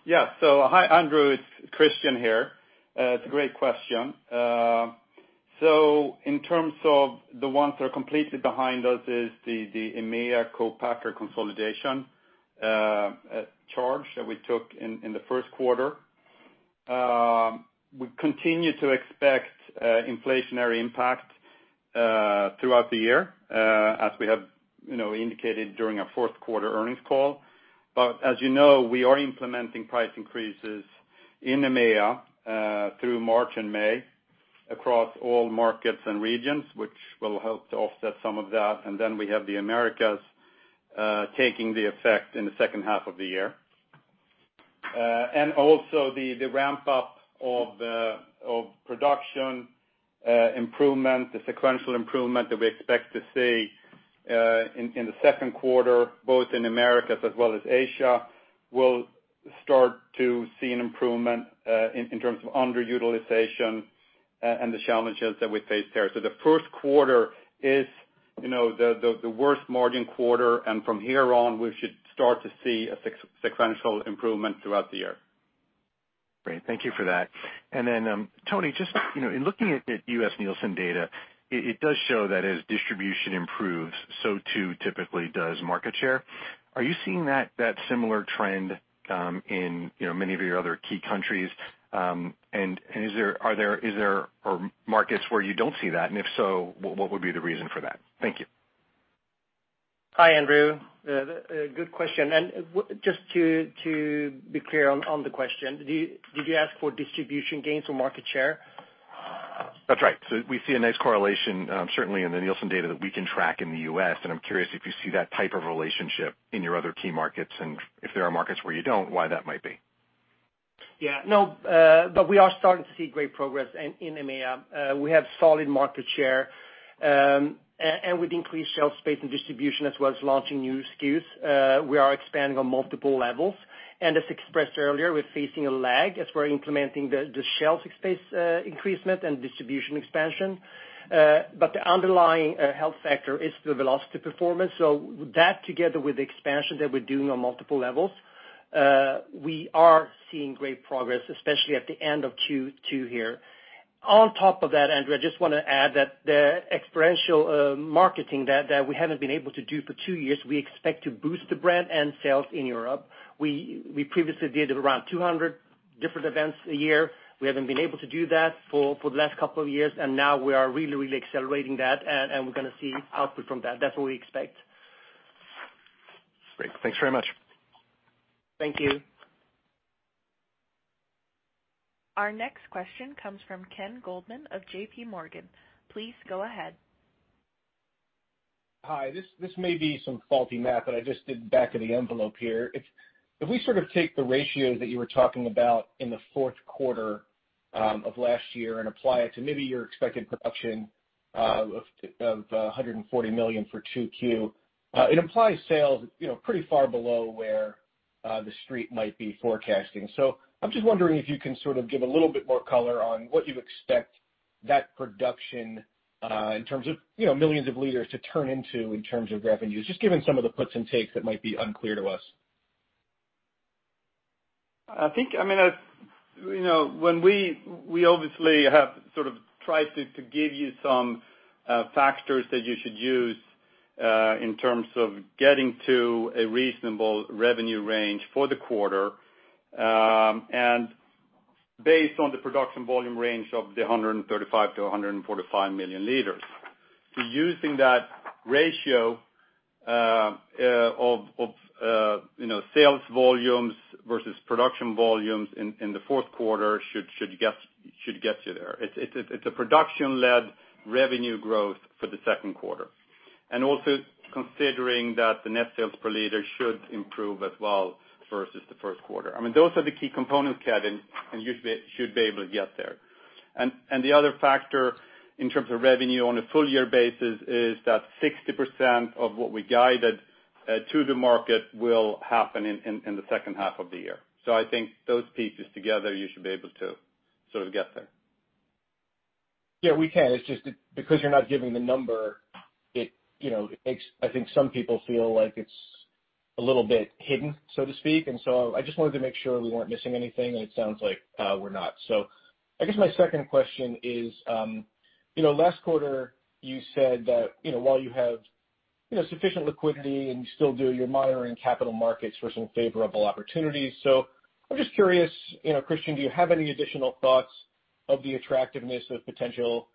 Hi, Andrew, it's Christian here. It's a great question. In terms of the ones that are completely behind us is the EMEA co-packer consolidation charge that we took in the first quarter. We continue to expect inflationary impact throughout the year as we have, you know, indicated during our fourth quarter earnings call. As you know, we are implementing price increases in EMEA through March and May across all markets and regions, which will help to offset some of that. We have the Americas taking the effect in the second half of the year. Also the ramp up of production improvement, the sequential improvement that we expect to see in the second quarter both in Americas as well as Asia, will start to see an improvement in terms of underutilization and the challenges that we face there. The first quarter is, you know, the worst margin quarter, and from here on, we should start to see a sequential improvement throughout the year. Great. Thank you for that. Then, Toni, just, you know, in looking at the U.S. Nielsen data, it does show that as distribution improves, so too typically does market share. Are you seeing that similar trend in, you know, many of your other key countries? And is there markets where you don't see that? And if so, what would be the reason for that? Thank you. Hi, Andrew. Good question. Just to be clear on the question, did you ask for distribution gains or market share? That's right. We see a nice correlation, certainly in the Nielsen data that we can track in the U.S., and I'm curious if you see that type of relationship in your other key markets, and if there are markets where you don't, why that might be. We are starting to see great progress in EMEA. We have solid market share, and with increased shelf space and distribution, as well as launching new SKUs, we are expanding on multiple levels. As expressed earlier, we're facing a lag as we're implementing the shelf space increase and distribution expansion. The underlying health factor is the velocity performance. That together with the expansion that we're doing on multiple levels, we are seeing great progress, especially at the end of Q2 here. On top of that, Andrew, I just wanna add that the experiential marketing that we haven't been able to do for two years, we expect to boost the brand and sales in Europe. We previously did around 200 Different events a year. We haven't been able to do that for the last couple of years, and now we are really, really accelerating that and we're gonna see output from that. That's what we expect. Great. Thanks very much. Thank you. Our next question comes from Ken Goldman of JPMorgan. Please go ahead. Hi. This may be some faulty math that I just did back of the envelope here. If we sort of take the ratio that you were talking about in the fourth quarter of last year and apply it to maybe your expected production of 140 million for 2Q, it implies sales, you know, pretty far below where the street might be forecasting. I'm just wondering if you can sort of give a little bit more color on what you expect that production in terms of, you know, millions of liters to turn into in terms of revenues, just given some of the puts and takes that might be unclear to us. I think, I mean, you know, when we obviously have sort of tried to give you some factors that you should use in terms of getting to a reasonable revenue range for the quarter, and based on the production volume range of 135-145 million liters. Using that ratio of sales volumes versus production volumes in the fourth quarter should get you there. It's a production-led revenue growth for the second quarter. Also considering that the net sales per liter should improve as well versus the first quarter. I mean, those are the key components, Ken, and you should be able to get there. The other factor in terms of revenue on a full year basis is that 60% of what we guided to the market will happen in the second half of the year. I think those pieces together, you should be able to sort of get there. Yeah, we can. It's just because you're not giving the number, you know, it makes. I think some people feel like it's a little bit hidden, so to speak. I just wanted to make sure we weren't missing anything, and it sounds like we're not. I guess my second question is, you know, last quarter you said that, you know, while you have, you know, sufficient liquidity and you still do, you're monitoring capital markets for some favorable opportunities. I'm just curious, you know, Christian, do you have any additional thoughts of the attractiveness of potential,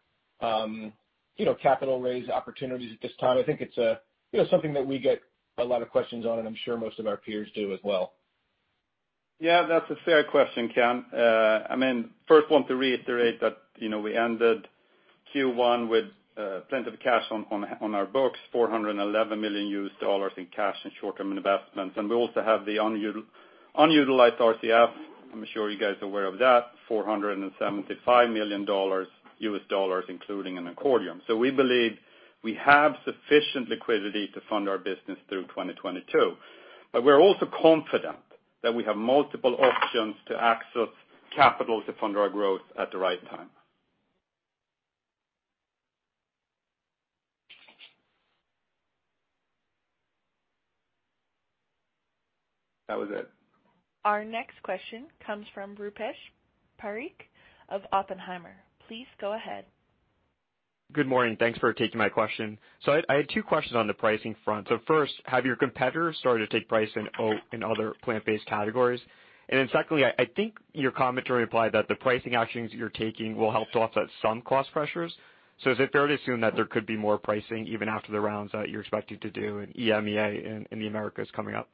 you know, capital raise opportunities at this time? I think it's a, you know, something that we get a lot of questions on, and I'm sure most of our peers do as well. Yeah, that's a fair question, Ken. I mean, first want to reiterate that, you know, we ended Q1 with plenty of cash on our books, $411 million in cash and short-term investments. We also have the unutilized RCF, I'm sure you guys are aware of that, $475 million, including the accordion. We believe we have sufficient liquidity to fund our business through 2022, but we're also confident that we have multiple options to access capital to fund our growth at the right time. That was it. Our next question comes from Rupesh Parikh of Oppenheimer. Please go ahead. Good morning. Thanks for taking my question. I had two questions on the pricing front. First, have your competitors started to take price in other plant-based categories? Then secondly, I think your commentary implied that the pricing actions you're taking will help to offset some cost pressures. Is it fair to assume that there could be more pricing even after the rounds that you're expected to do in EMEA and the Americas coming up?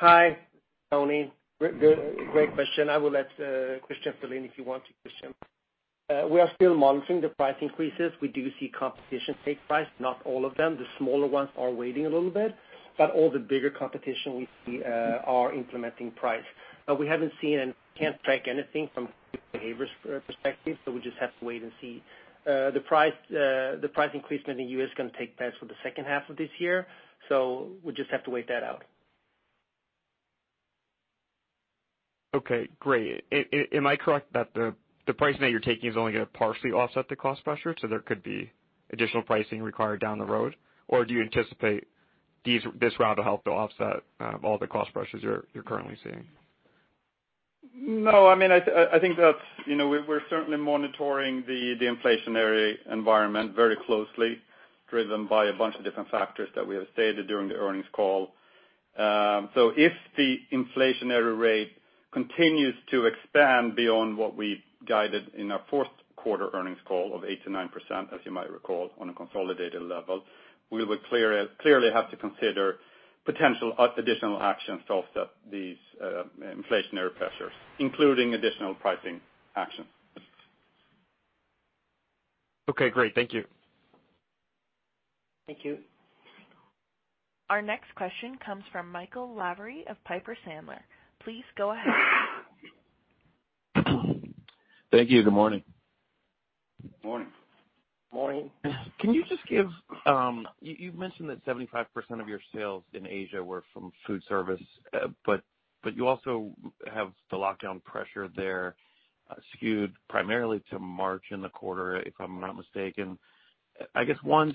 Hi, Toni. Good, great question. I will let, Christian fill in if you want to, Christian. We are still monitoring the price increases. We do see competition take price, not all of them. The smaller ones are waiting a little bit, but all the bigger competition we see are implementing price. We haven't seen and can't track anything from a behavioral perspective, so we just have to wait and see. The price increase in the U.S. is gonna take place for the second half of this year, so we just have to wait that out. Okay, great. Am I correct that the pricing that you're taking is only gonna partially offset the cost pressure, so there could be additional pricing required down the road? Or do you anticipate this round will help to offset all the cost pressures you're currently seeing? No, I mean, I think that's, you know, we're certainly monitoring the inflationary environment very closely, driven by a bunch of different factors that we have stated during the earnings call. If the inflationary rate continues to expand beyond what we guided in our fourth quarter earnings call of 8%-9%, as you might recall, on a consolidated level, we will clearly have to consider potential additional actions to offset these inflationary pressures, including additional pricing actions. Okay, great. Thank you. Thank you. Our next question comes from Michael Lavery of Piper Sandler. Please go ahead. Thank you. Good morning. Morning. Morning. Can you just give. You've mentioned that 75% of your sales in Asia were from food service, but you also have the lockdown pressure there, skewed primarily to March in the quarter, if I'm not mistaken. I guess, one,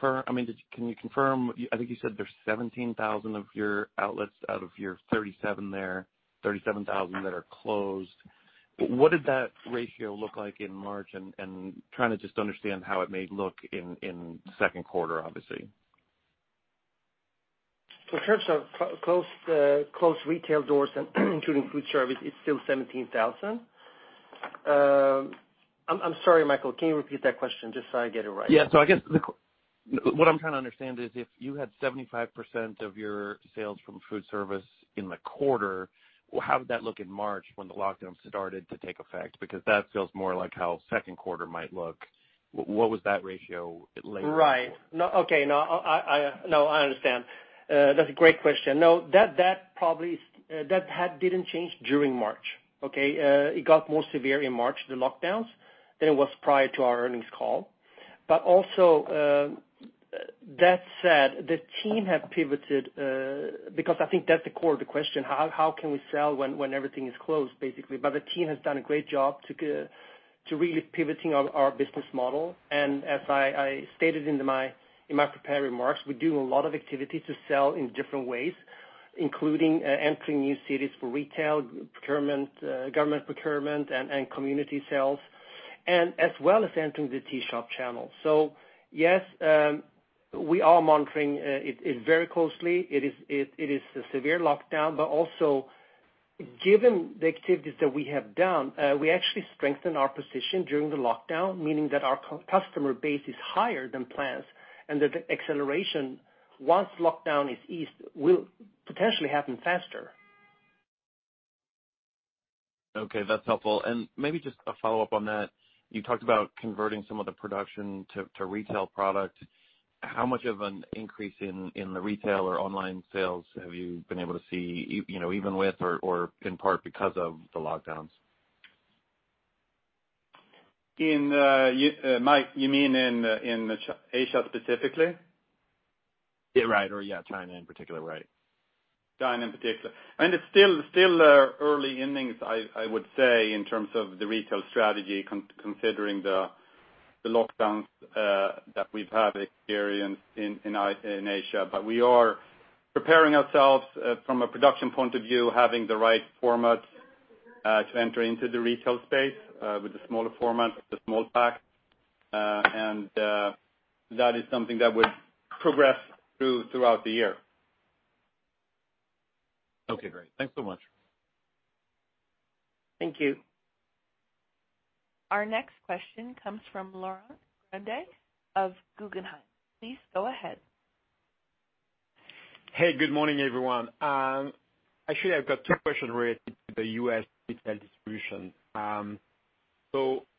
can you confirm, I think you said there's 17,000 of your outlets out of your 37,000 that are closed. What did that ratio look like in March. Trying to just understand how it may look in second quarter, obviously. In terms of closed retail doors including food service, it's still 17,000. I'm sorry, Michael, can you repeat that question just so I get it right? What I'm trying to understand is if you had 75% of your sales from food service in the quarter, how did that look in March when the lockdown started to take effect? Because that feels more like how second quarter might look. What was that ratio later on? I understand. That's a great question. No, that hadn't changed during March, okay? It got more severe in March, the lockdowns, than it was prior to our earnings call. That said, the team have pivoted, because I think that's the core of the question, how can we sell when everything is closed, basically? The team has done a great job to really pivoting our business model. As I stated in my prepared remarks, we do a lot of activity to sell in different ways, including entering new cities for retail, procurement, government procurement, and community sales, as well as entering the tea shop channel. Yes, we are monitoring it very closely. It is a severe lockdown. Also, given the activities that we have done, we actually strengthen our position during the lockdown, meaning that our customer base is higher than plans, and that the acceleration, once lockdown is eased, will potentially happen faster. Okay, that's helpful. Maybe just a follow-up on that. You talked about converting some of the production to retail product. How much of an increase in the retail or online sales have you been able to see, you know, even with or in part, because of the lockdowns? Mike, you mean in Asia specifically? Yeah, right, or yeah, China in particular, right. China in particular. I mean, it's still early innings, I would say, in terms of the retail strategy considering the lockdowns that we've experienced in Asia. We are preparing ourselves from a production point of view, having the right format to enter into the retail space with the smaller format of the small pack. That is something that would progress throughout the year. Okay, great. Thanks so much. Thank you. Our next question comes from Laurent Grandet of Guggenheim. Please go ahead. Hey, good morning, everyone. Actually, I've got two questions related to the U.S. retail distribution.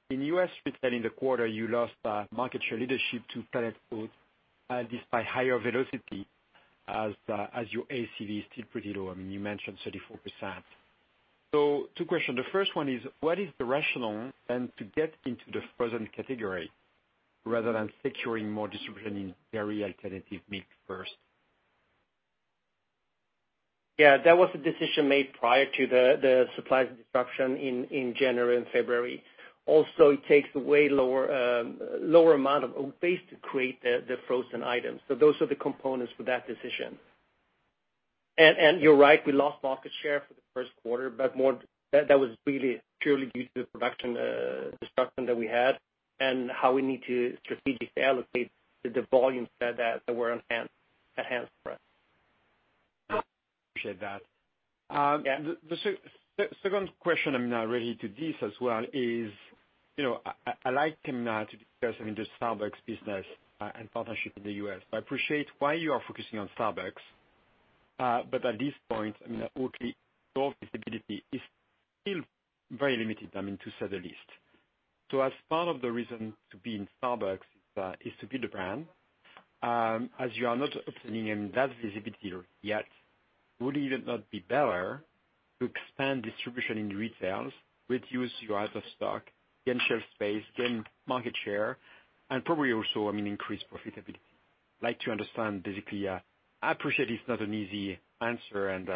In U.S. retail in the quarter, you lost market share leadership to Planet Oat, despite higher velocity as your ACV is still pretty low. I mean, you mentioned 34%. Two questions. The first one is, what is the rationale then to get into the frozen category rather than securing more distribution in dairy alternatives market first? Yeah, that was a decision made prior to the supply disruption in January and February. Also, it takes way lower amount of oat-based to create the frozen items. Those are the components for that decision. You're right, we lost market share for the first quarter, but more, that was really purely due to the production disruption that we had and how we need to strategically allocate the volumes that were on hand for us. Appreciate that. The second question, I mean, related to this as well is, you know, I'd like him now to discuss, I mean, the Starbucks business and partnership in the U.S. I appreciate why you are focusing on Starbucks. But at this point, I mean, Oatly store visibility is still very limited, I mean, to say the least. As part of the reason to be in Starbucks is to build a brand, as you are not obtaining that visibility yet, would it not be better to expand distribution in retail, reduce your out of stock, gain shelf space, gain market share, and probably also, I mean, increase profitability? I'd like to understand basically, I appreciate it's not an easy answer, and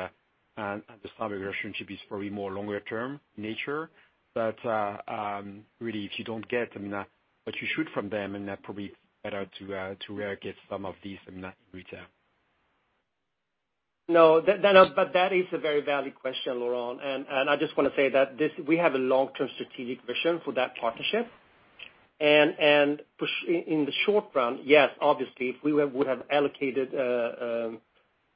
the Starbucks relationship is probably more long-term in nature. Really, if you don't get, I mean, what you should from them and probably better to get some of these, I mean, in retail. No. That is a very valid question, Laurent. I just wanna say that we have a long-term strategic vision for that partnership. In the short run, yes, obviously, if we would have allocated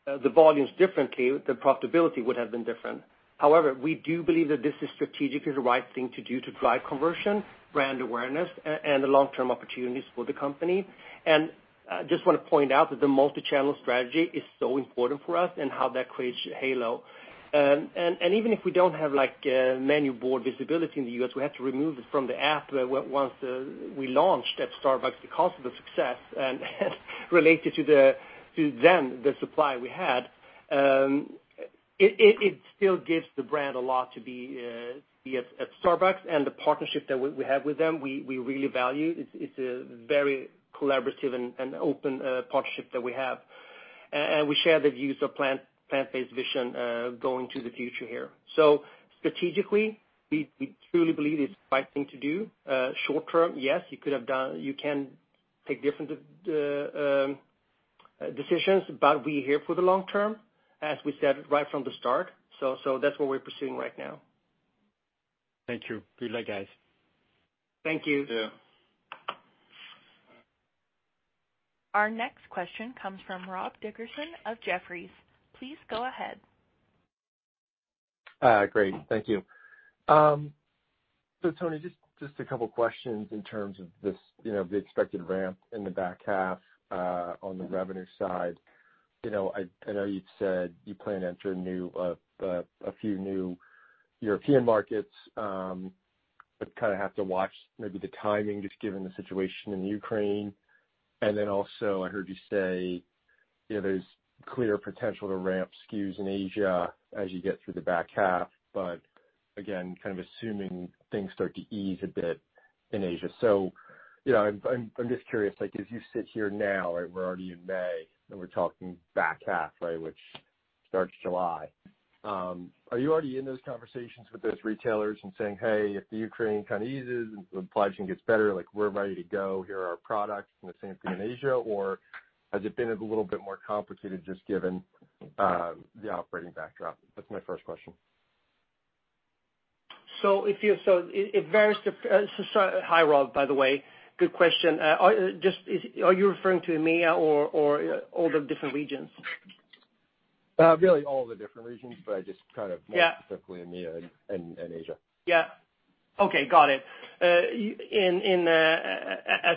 the volumes differently, the profitability would have been different. However, we do believe that this is strategically the right thing to do to drive conversion, brand awareness, and the long-term opportunities for the company. I just wanna point out that the multi-channel strategy is so important for us and how that creates halo. Even if we don't have, like, a menu board visibility in the U.S., we have to remove it from the app once we launched at Starbucks because of the success and related to them, the supply we had. It still gives the brand a lot to be at Starbucks and the partnership that we have with them. We really value it. It's a very collaborative and open partnership that we have. We share the views of plant-based vision going to the future here. Strategically, we truly believe it's the right thing to do. Short-term, yes, you can take different decisions, but we're here for the long term, as we said right from the start. That's what we're pursuing right now. Thank you. Good luck, guys. Thank you. Yeah. Our next question comes from Rob Dickerson of Jefferies. Please go ahead. Great. Thank you. So Toni, just a couple questions in terms of this, you know, the expected ramp in the back half, on the revenue side. You know, I know you've said you plan to enter new, a few new European markets, but kinda have to watch maybe the timing just given the situation in Ukraine. Then also, I heard you say, you know, there's clear potential to ramp SKUs in Asia as you get through the back half, but again, kind of assuming things start to ease a bit in Asia. You know, I'm just curious, like, as you sit here now, right, we're already in May, and we're talking back half, right, which starts July, are you already in those conversations with those retailers and saying, "Hey, if the Ukraine kinda eases and supply chain gets better, like we're ready to go. Here are our products," and the same thing in Asia? Or has it been a little bit more complicated just given the operating backdrop? That's my first question. Hi, Rob, by the way. Good question. Are you referring to EMEA or all the different regions? Really all the different regions, but I just kind of. Yeah More specifically EMEA and Asia. Yeah. Okay, got it. As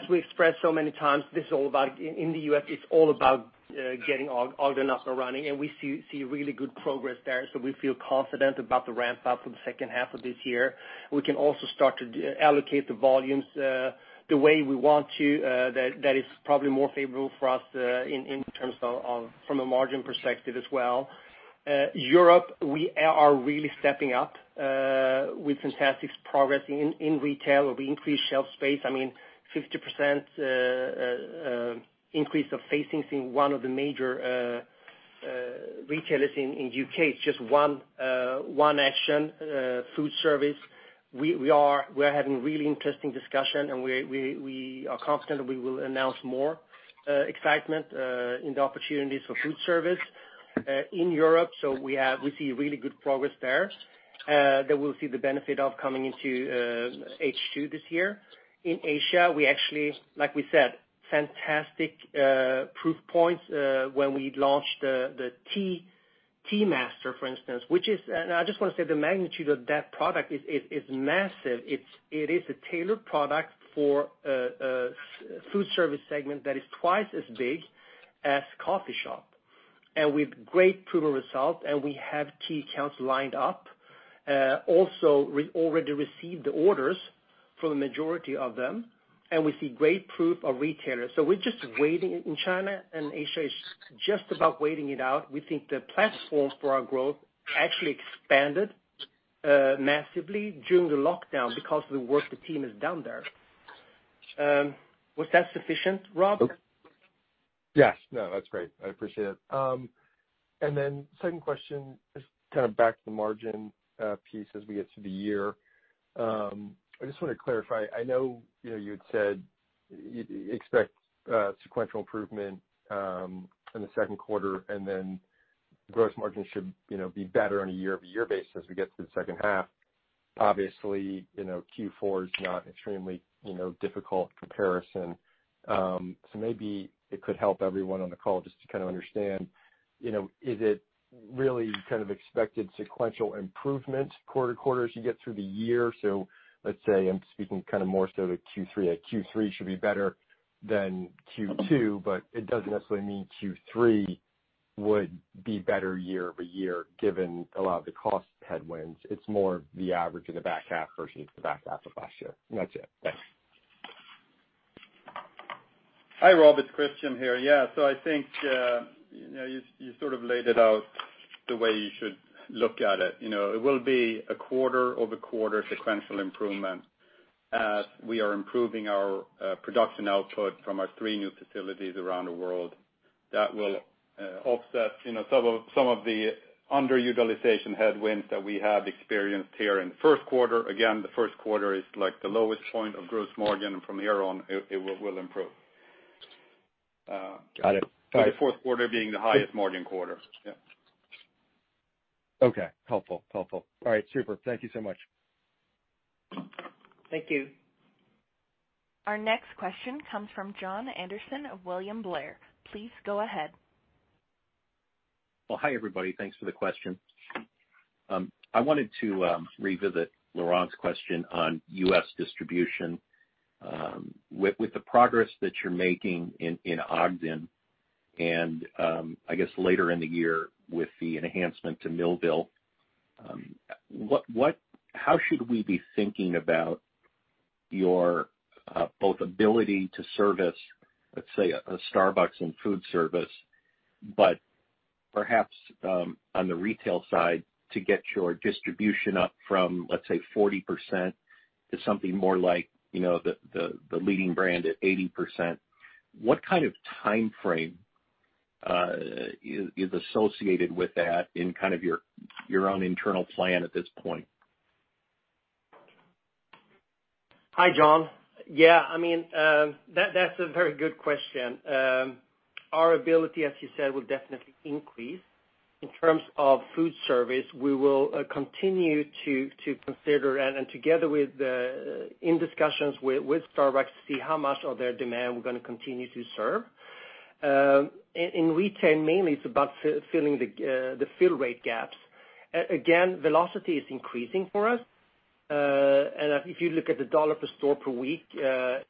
we expressed so many times, this is all about in the U.S., it's all about getting Ogden up and running, and we see really good progress there, so we feel confident about the ramp up for the second half of this year. We can also start to allocate the volumes the way we want to, that is probably more favorable for us in terms of from a margin perspective as well. Europe, we are really stepping up with fantastic progress in retail, where we increased shelf space. I mean 50% increase of facings in one of the major retailers in U.K. is just one action. Food service, we're having really interesting discussion, and we are confident we will announce more excitement in the opportunities for food service in Europe. We see really good progress there that we'll see the benefit of coming into H2 this year. In Asia, we actually, like we said, fantastic proof points when we launched the Tea Master, for instance. I just wanna say the magnitude of that product is massive. It is a tailored product for a food service segment that is twice as big as coffee shop. With great proven results, and we have tea accounts lined up. Also already received the orders for the majority of them, and we see great proof of retailers. We're just waiting in China, and Asia is just about waiting it out. We think the platform for our growth actually expanded massively during the lockdown because of the work the team has done there. Was that sufficient, Rob? Yes. No, that's great. I appreciate it. Second question, just kind of back to the margin, piece as we get to the year. I just wanna clarify. I know, you know, you had said you expect sequential improvement in the second quarter, and then gross margin should, you know, be better on a YoY basis as we get to the second half. Obviously, you know, Q4 is not extremely, you know, difficult comparison. Maybe it could help everyone on the call just to kind of understand, you know, is it really kind of expected sequential improvement quarter to quarter as you get through the year? Let's say I'm speaking kind of more so to Q3, like Q3 should be better than Q2, but it doesn't necessarily mean Q3 would be better YoY given a lot of the cost headwinds. It's more the average of the back half versus the back half of last year. That's it. Thanks. Hi, Rob, it's Christian here. Yeah. I think, you know, you sort of laid it out the way you should look at it. You know, it will be a QoQ sequential improvement as we are improving our production output from our three new facilities around the world. That will offset, you know, some of the underutilization headwinds that we have experienced here in the first quarter. Again, the first quarter is like the lowest point of gross margin. From here on, it will improve. Got it. The fourth quarter being the highest margin quarter. Yeah. Okay. Helpful. All right. Super. Thank you so much. Thank you. Our next question comes from Jon Andersen of William Blair. Please go ahead. Well, hi, everybody. Thanks for the question. I wanted to revisit Laurent's question on U.S. distribution. With the progress that you're making in Ogden and I guess later in the year with the enhancement to Millville, how should we be thinking about your both ability to service, let's say a Starbucks in food service, but perhaps on the retail side, to get your distribution up from, let's say, 40% to something more like, you know, the leading brand at 80%? What kind of timeframe is associated with that in kind of your own internal plan at this point? Hi, Jon. Yeah, I mean, that's a very good question. Our ability, as you said, will definitely increase. In terms of food service, we will continue to consider and together with in discussions with Starbucks to see how much of their demand we're gonna continue to serve. In retail, mainly it's about filling the fill rate gaps. Again, velocity is increasing for us. And if you look at the dollar per store per week,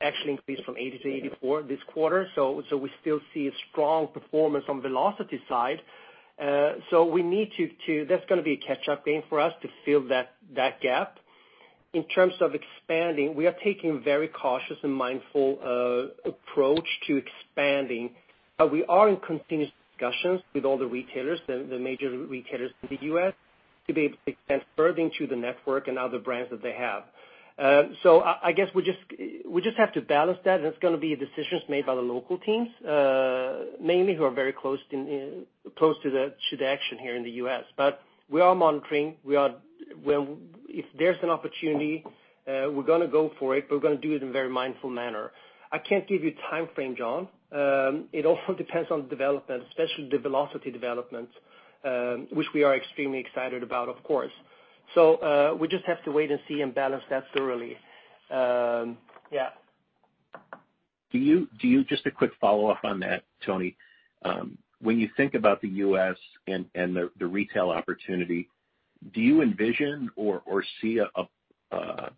actually increased from 80-84 this quarter. So we still see a strong performance on velocity side. That's gonna be a catch-up game for us to fill that gap. In terms of expanding, we are taking very cautious and mindful approach to expanding. We are in continuous discussions with all the retailers, the major retailers in the U.S. to be able to expand further into the network and other brands that they have. I guess we just have to balance that, and it's gonna be decisions made by the local teams, mainly who are very close to the action here in the U.S. We are monitoring. If there's an opportunity, we're gonna go for it, but we're gonna do it in a very mindful manner. I can't give you timeframe, Jon. It also depends on the development, especially the velocity development, which we are extremely excited about, of course. We just have to wait and see and balance that thoroughly. Yeah. Just a quick follow-up on that, Toni. When you think about the U.S. and the retail opportunity, do you envision or see a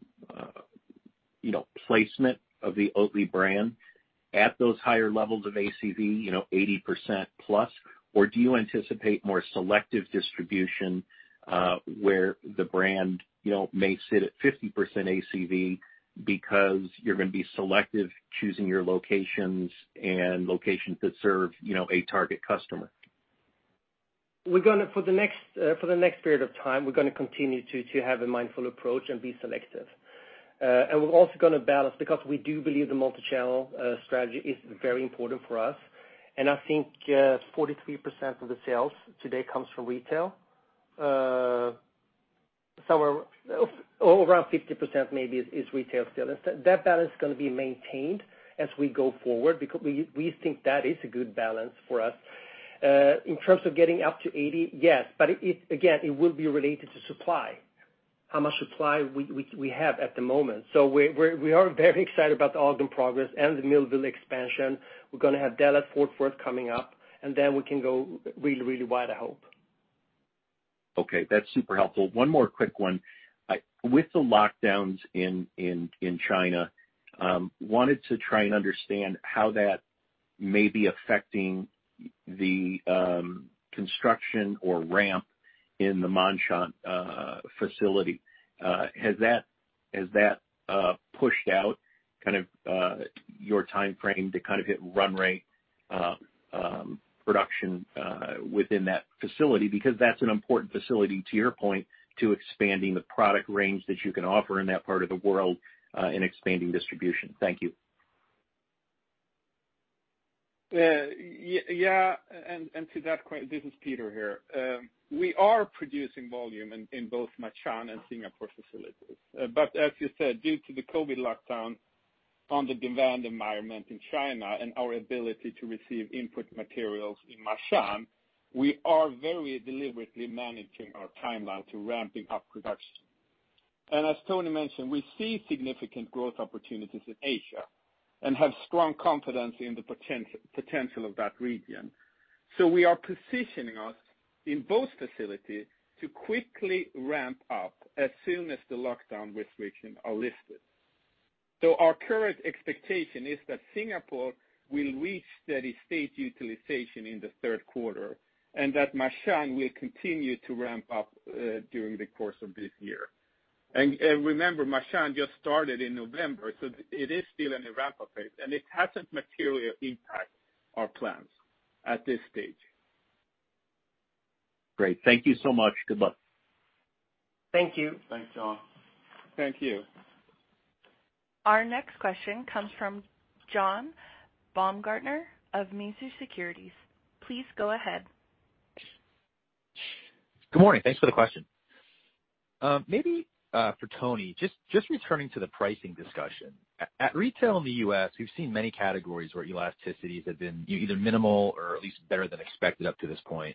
you know placement of the Oatly brand at those higher levels of ACV, you know, 80%+? Or do you anticipate more selective distribution, where the brand, you know, may sit at 50% ACV because you're gonna be selective choosing your locations and locations that serve, you know, a target customer? We're gonna, for the next period of time, we're gonna continue to have a mindful approach and be selective. We're also gonna balance because we do believe the multi-channel strategy is very important for us. I think 43% of the sales today comes from retail. Around 50% maybe is retail still. That balance is gonna be maintained as we go forward because we think that is a good balance for us. In terms of getting up to 80, yes. It again will be related to supply, how much supply we have at the moment. We are very excited about the Ogden progress and the Millville expansion. We're gonna have Dallas-Fort Worth coming up, and then we can go really wide, I hope. Okay, that's super helpful. One more quick one. With the lockdowns in China, wanted to try and understand how that may be affecting the construction or ramp in the Ma'anshan facility. Has that pushed out kind of your timeframe to kind of hit run rate production within that facility? Because that's an important facility, to your point, to expanding the product range that you can offer in that part of the world, in expanding distribution. Thank you. This is Peter Bergh here. We are producing volume in both Ma'anshan and Singapore facilities. As you said, due to the COVID lockdown on the demand environment in China and our ability to receive input materials in Ma'anshan, we are very deliberately managing our timeline to ramping up production. As Toni mentioned, we see significant growth opportunities in Asia and have strong confidence in the potential of that region. We are positioning us in both facilities to quickly ramp up as soon as the lockdown restrictions are lifted. Our current expectation is that Singapore will reach steady state utilization in the third quarter, and that Ma'anshan will continue to ramp up during the course of this year. Remember, Ma'anshan just started in November, so it is still in the ramp-up phase, and it hasn't materially impacted our plans at this stage. Great. Thank you so much. Good luck. Thank you. Thanks, Jon. Thank you. Our next question comes from John Baumgartner of Mizuho Securities. Please go ahead. Good morning. Thanks for the question. Maybe for Toni, just returning to the pricing discussion. At retail in the U.S., we've seen many categories where elasticities have been either minimal or at least better than expected up to this point.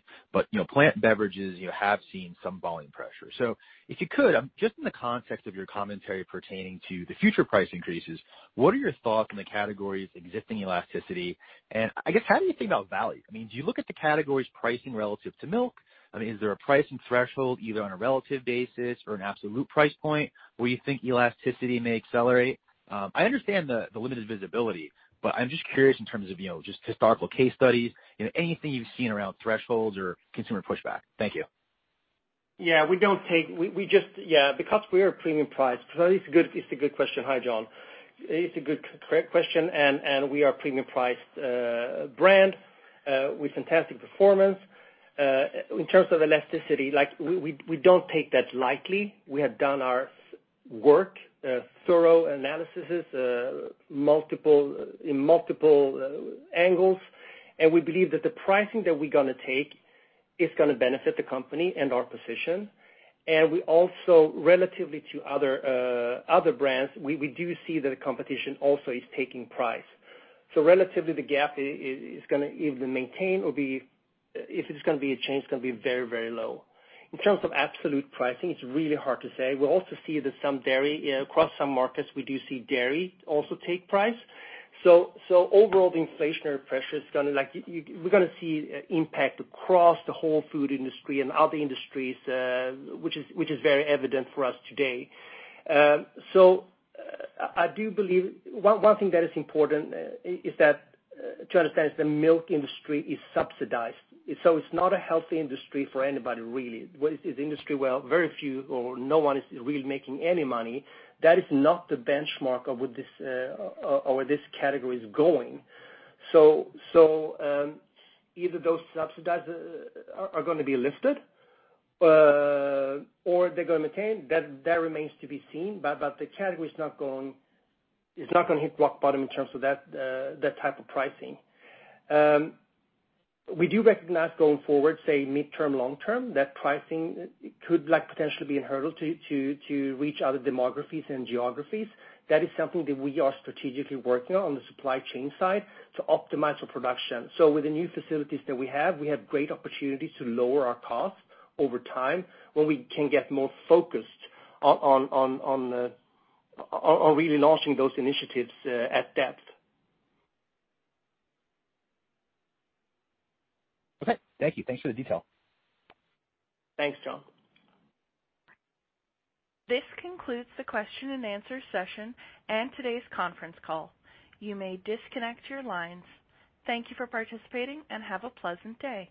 You know, plant beverages have seen some volume pressure. If you could, just in the context of your commentary pertaining to the future price increases, what are your thoughts on the category's existing elasticity? And I guess, how do you think about value? I mean, do you look at the category's pricing relative to milk? I mean, is there a pricing threshold, either on a relative basis or an absolute price point, where you think elasticity may accelerate? I understand the limited visibility, but I'm just curious in terms of, you know, just historical case studies, you know, anything you've seen around thresholds or consumer pushback. Thank you. Because we are premium priced. It's a good question. Hi, John. It's a good question, and we are premium priced brand with fantastic performance. In terms of elasticity, like we don't take that lightly. We have done our work, thorough analysis, in multiple angles. We believe that the pricing that we're gonna take is gonna benefit the company and our position. Relatively to other brands, we do see that the competition also is taking price. Relatively, the gap is gonna either maintain or be. If it's gonna be a change, it's gonna be very, very low. In terms of absolute pricing, it's really hard to say. We also see that some dairy across some markets, we do see dairy also take price. Overall, the inflationary pressure is gonna, like, we're gonna see impact across the whole food industry and other industries, which is very evident for us today. I do believe one thing that is important to understand is that the milk industry is subsidized. It's not a healthy industry for anybody, really. It's an industry where very few or no one is really making any money. That is not the benchmark of where this category is going. Either those subsidies are gonna be lifted or they're gonna maintain. That remains to be seen. The category is not going. It's not gonna hit rock bottom in terms of that type of pricing. We do recognize going forward, say midterm, long term, that pricing could like potentially be a hurdle to reach other demographics and geographies. That is something that we are strategically working on the supply chain side to optimize our production. With the new facilities that we have, we have great opportunities to lower our costs over time, where we can get more focused on really launching those initiatives at depth. Okay. Thank you. Thanks for the detail. Thanks, John. This concludes the question and answer session and today's conference call. You may disconnect your lines. Thank you for participating, and have a pleasant day.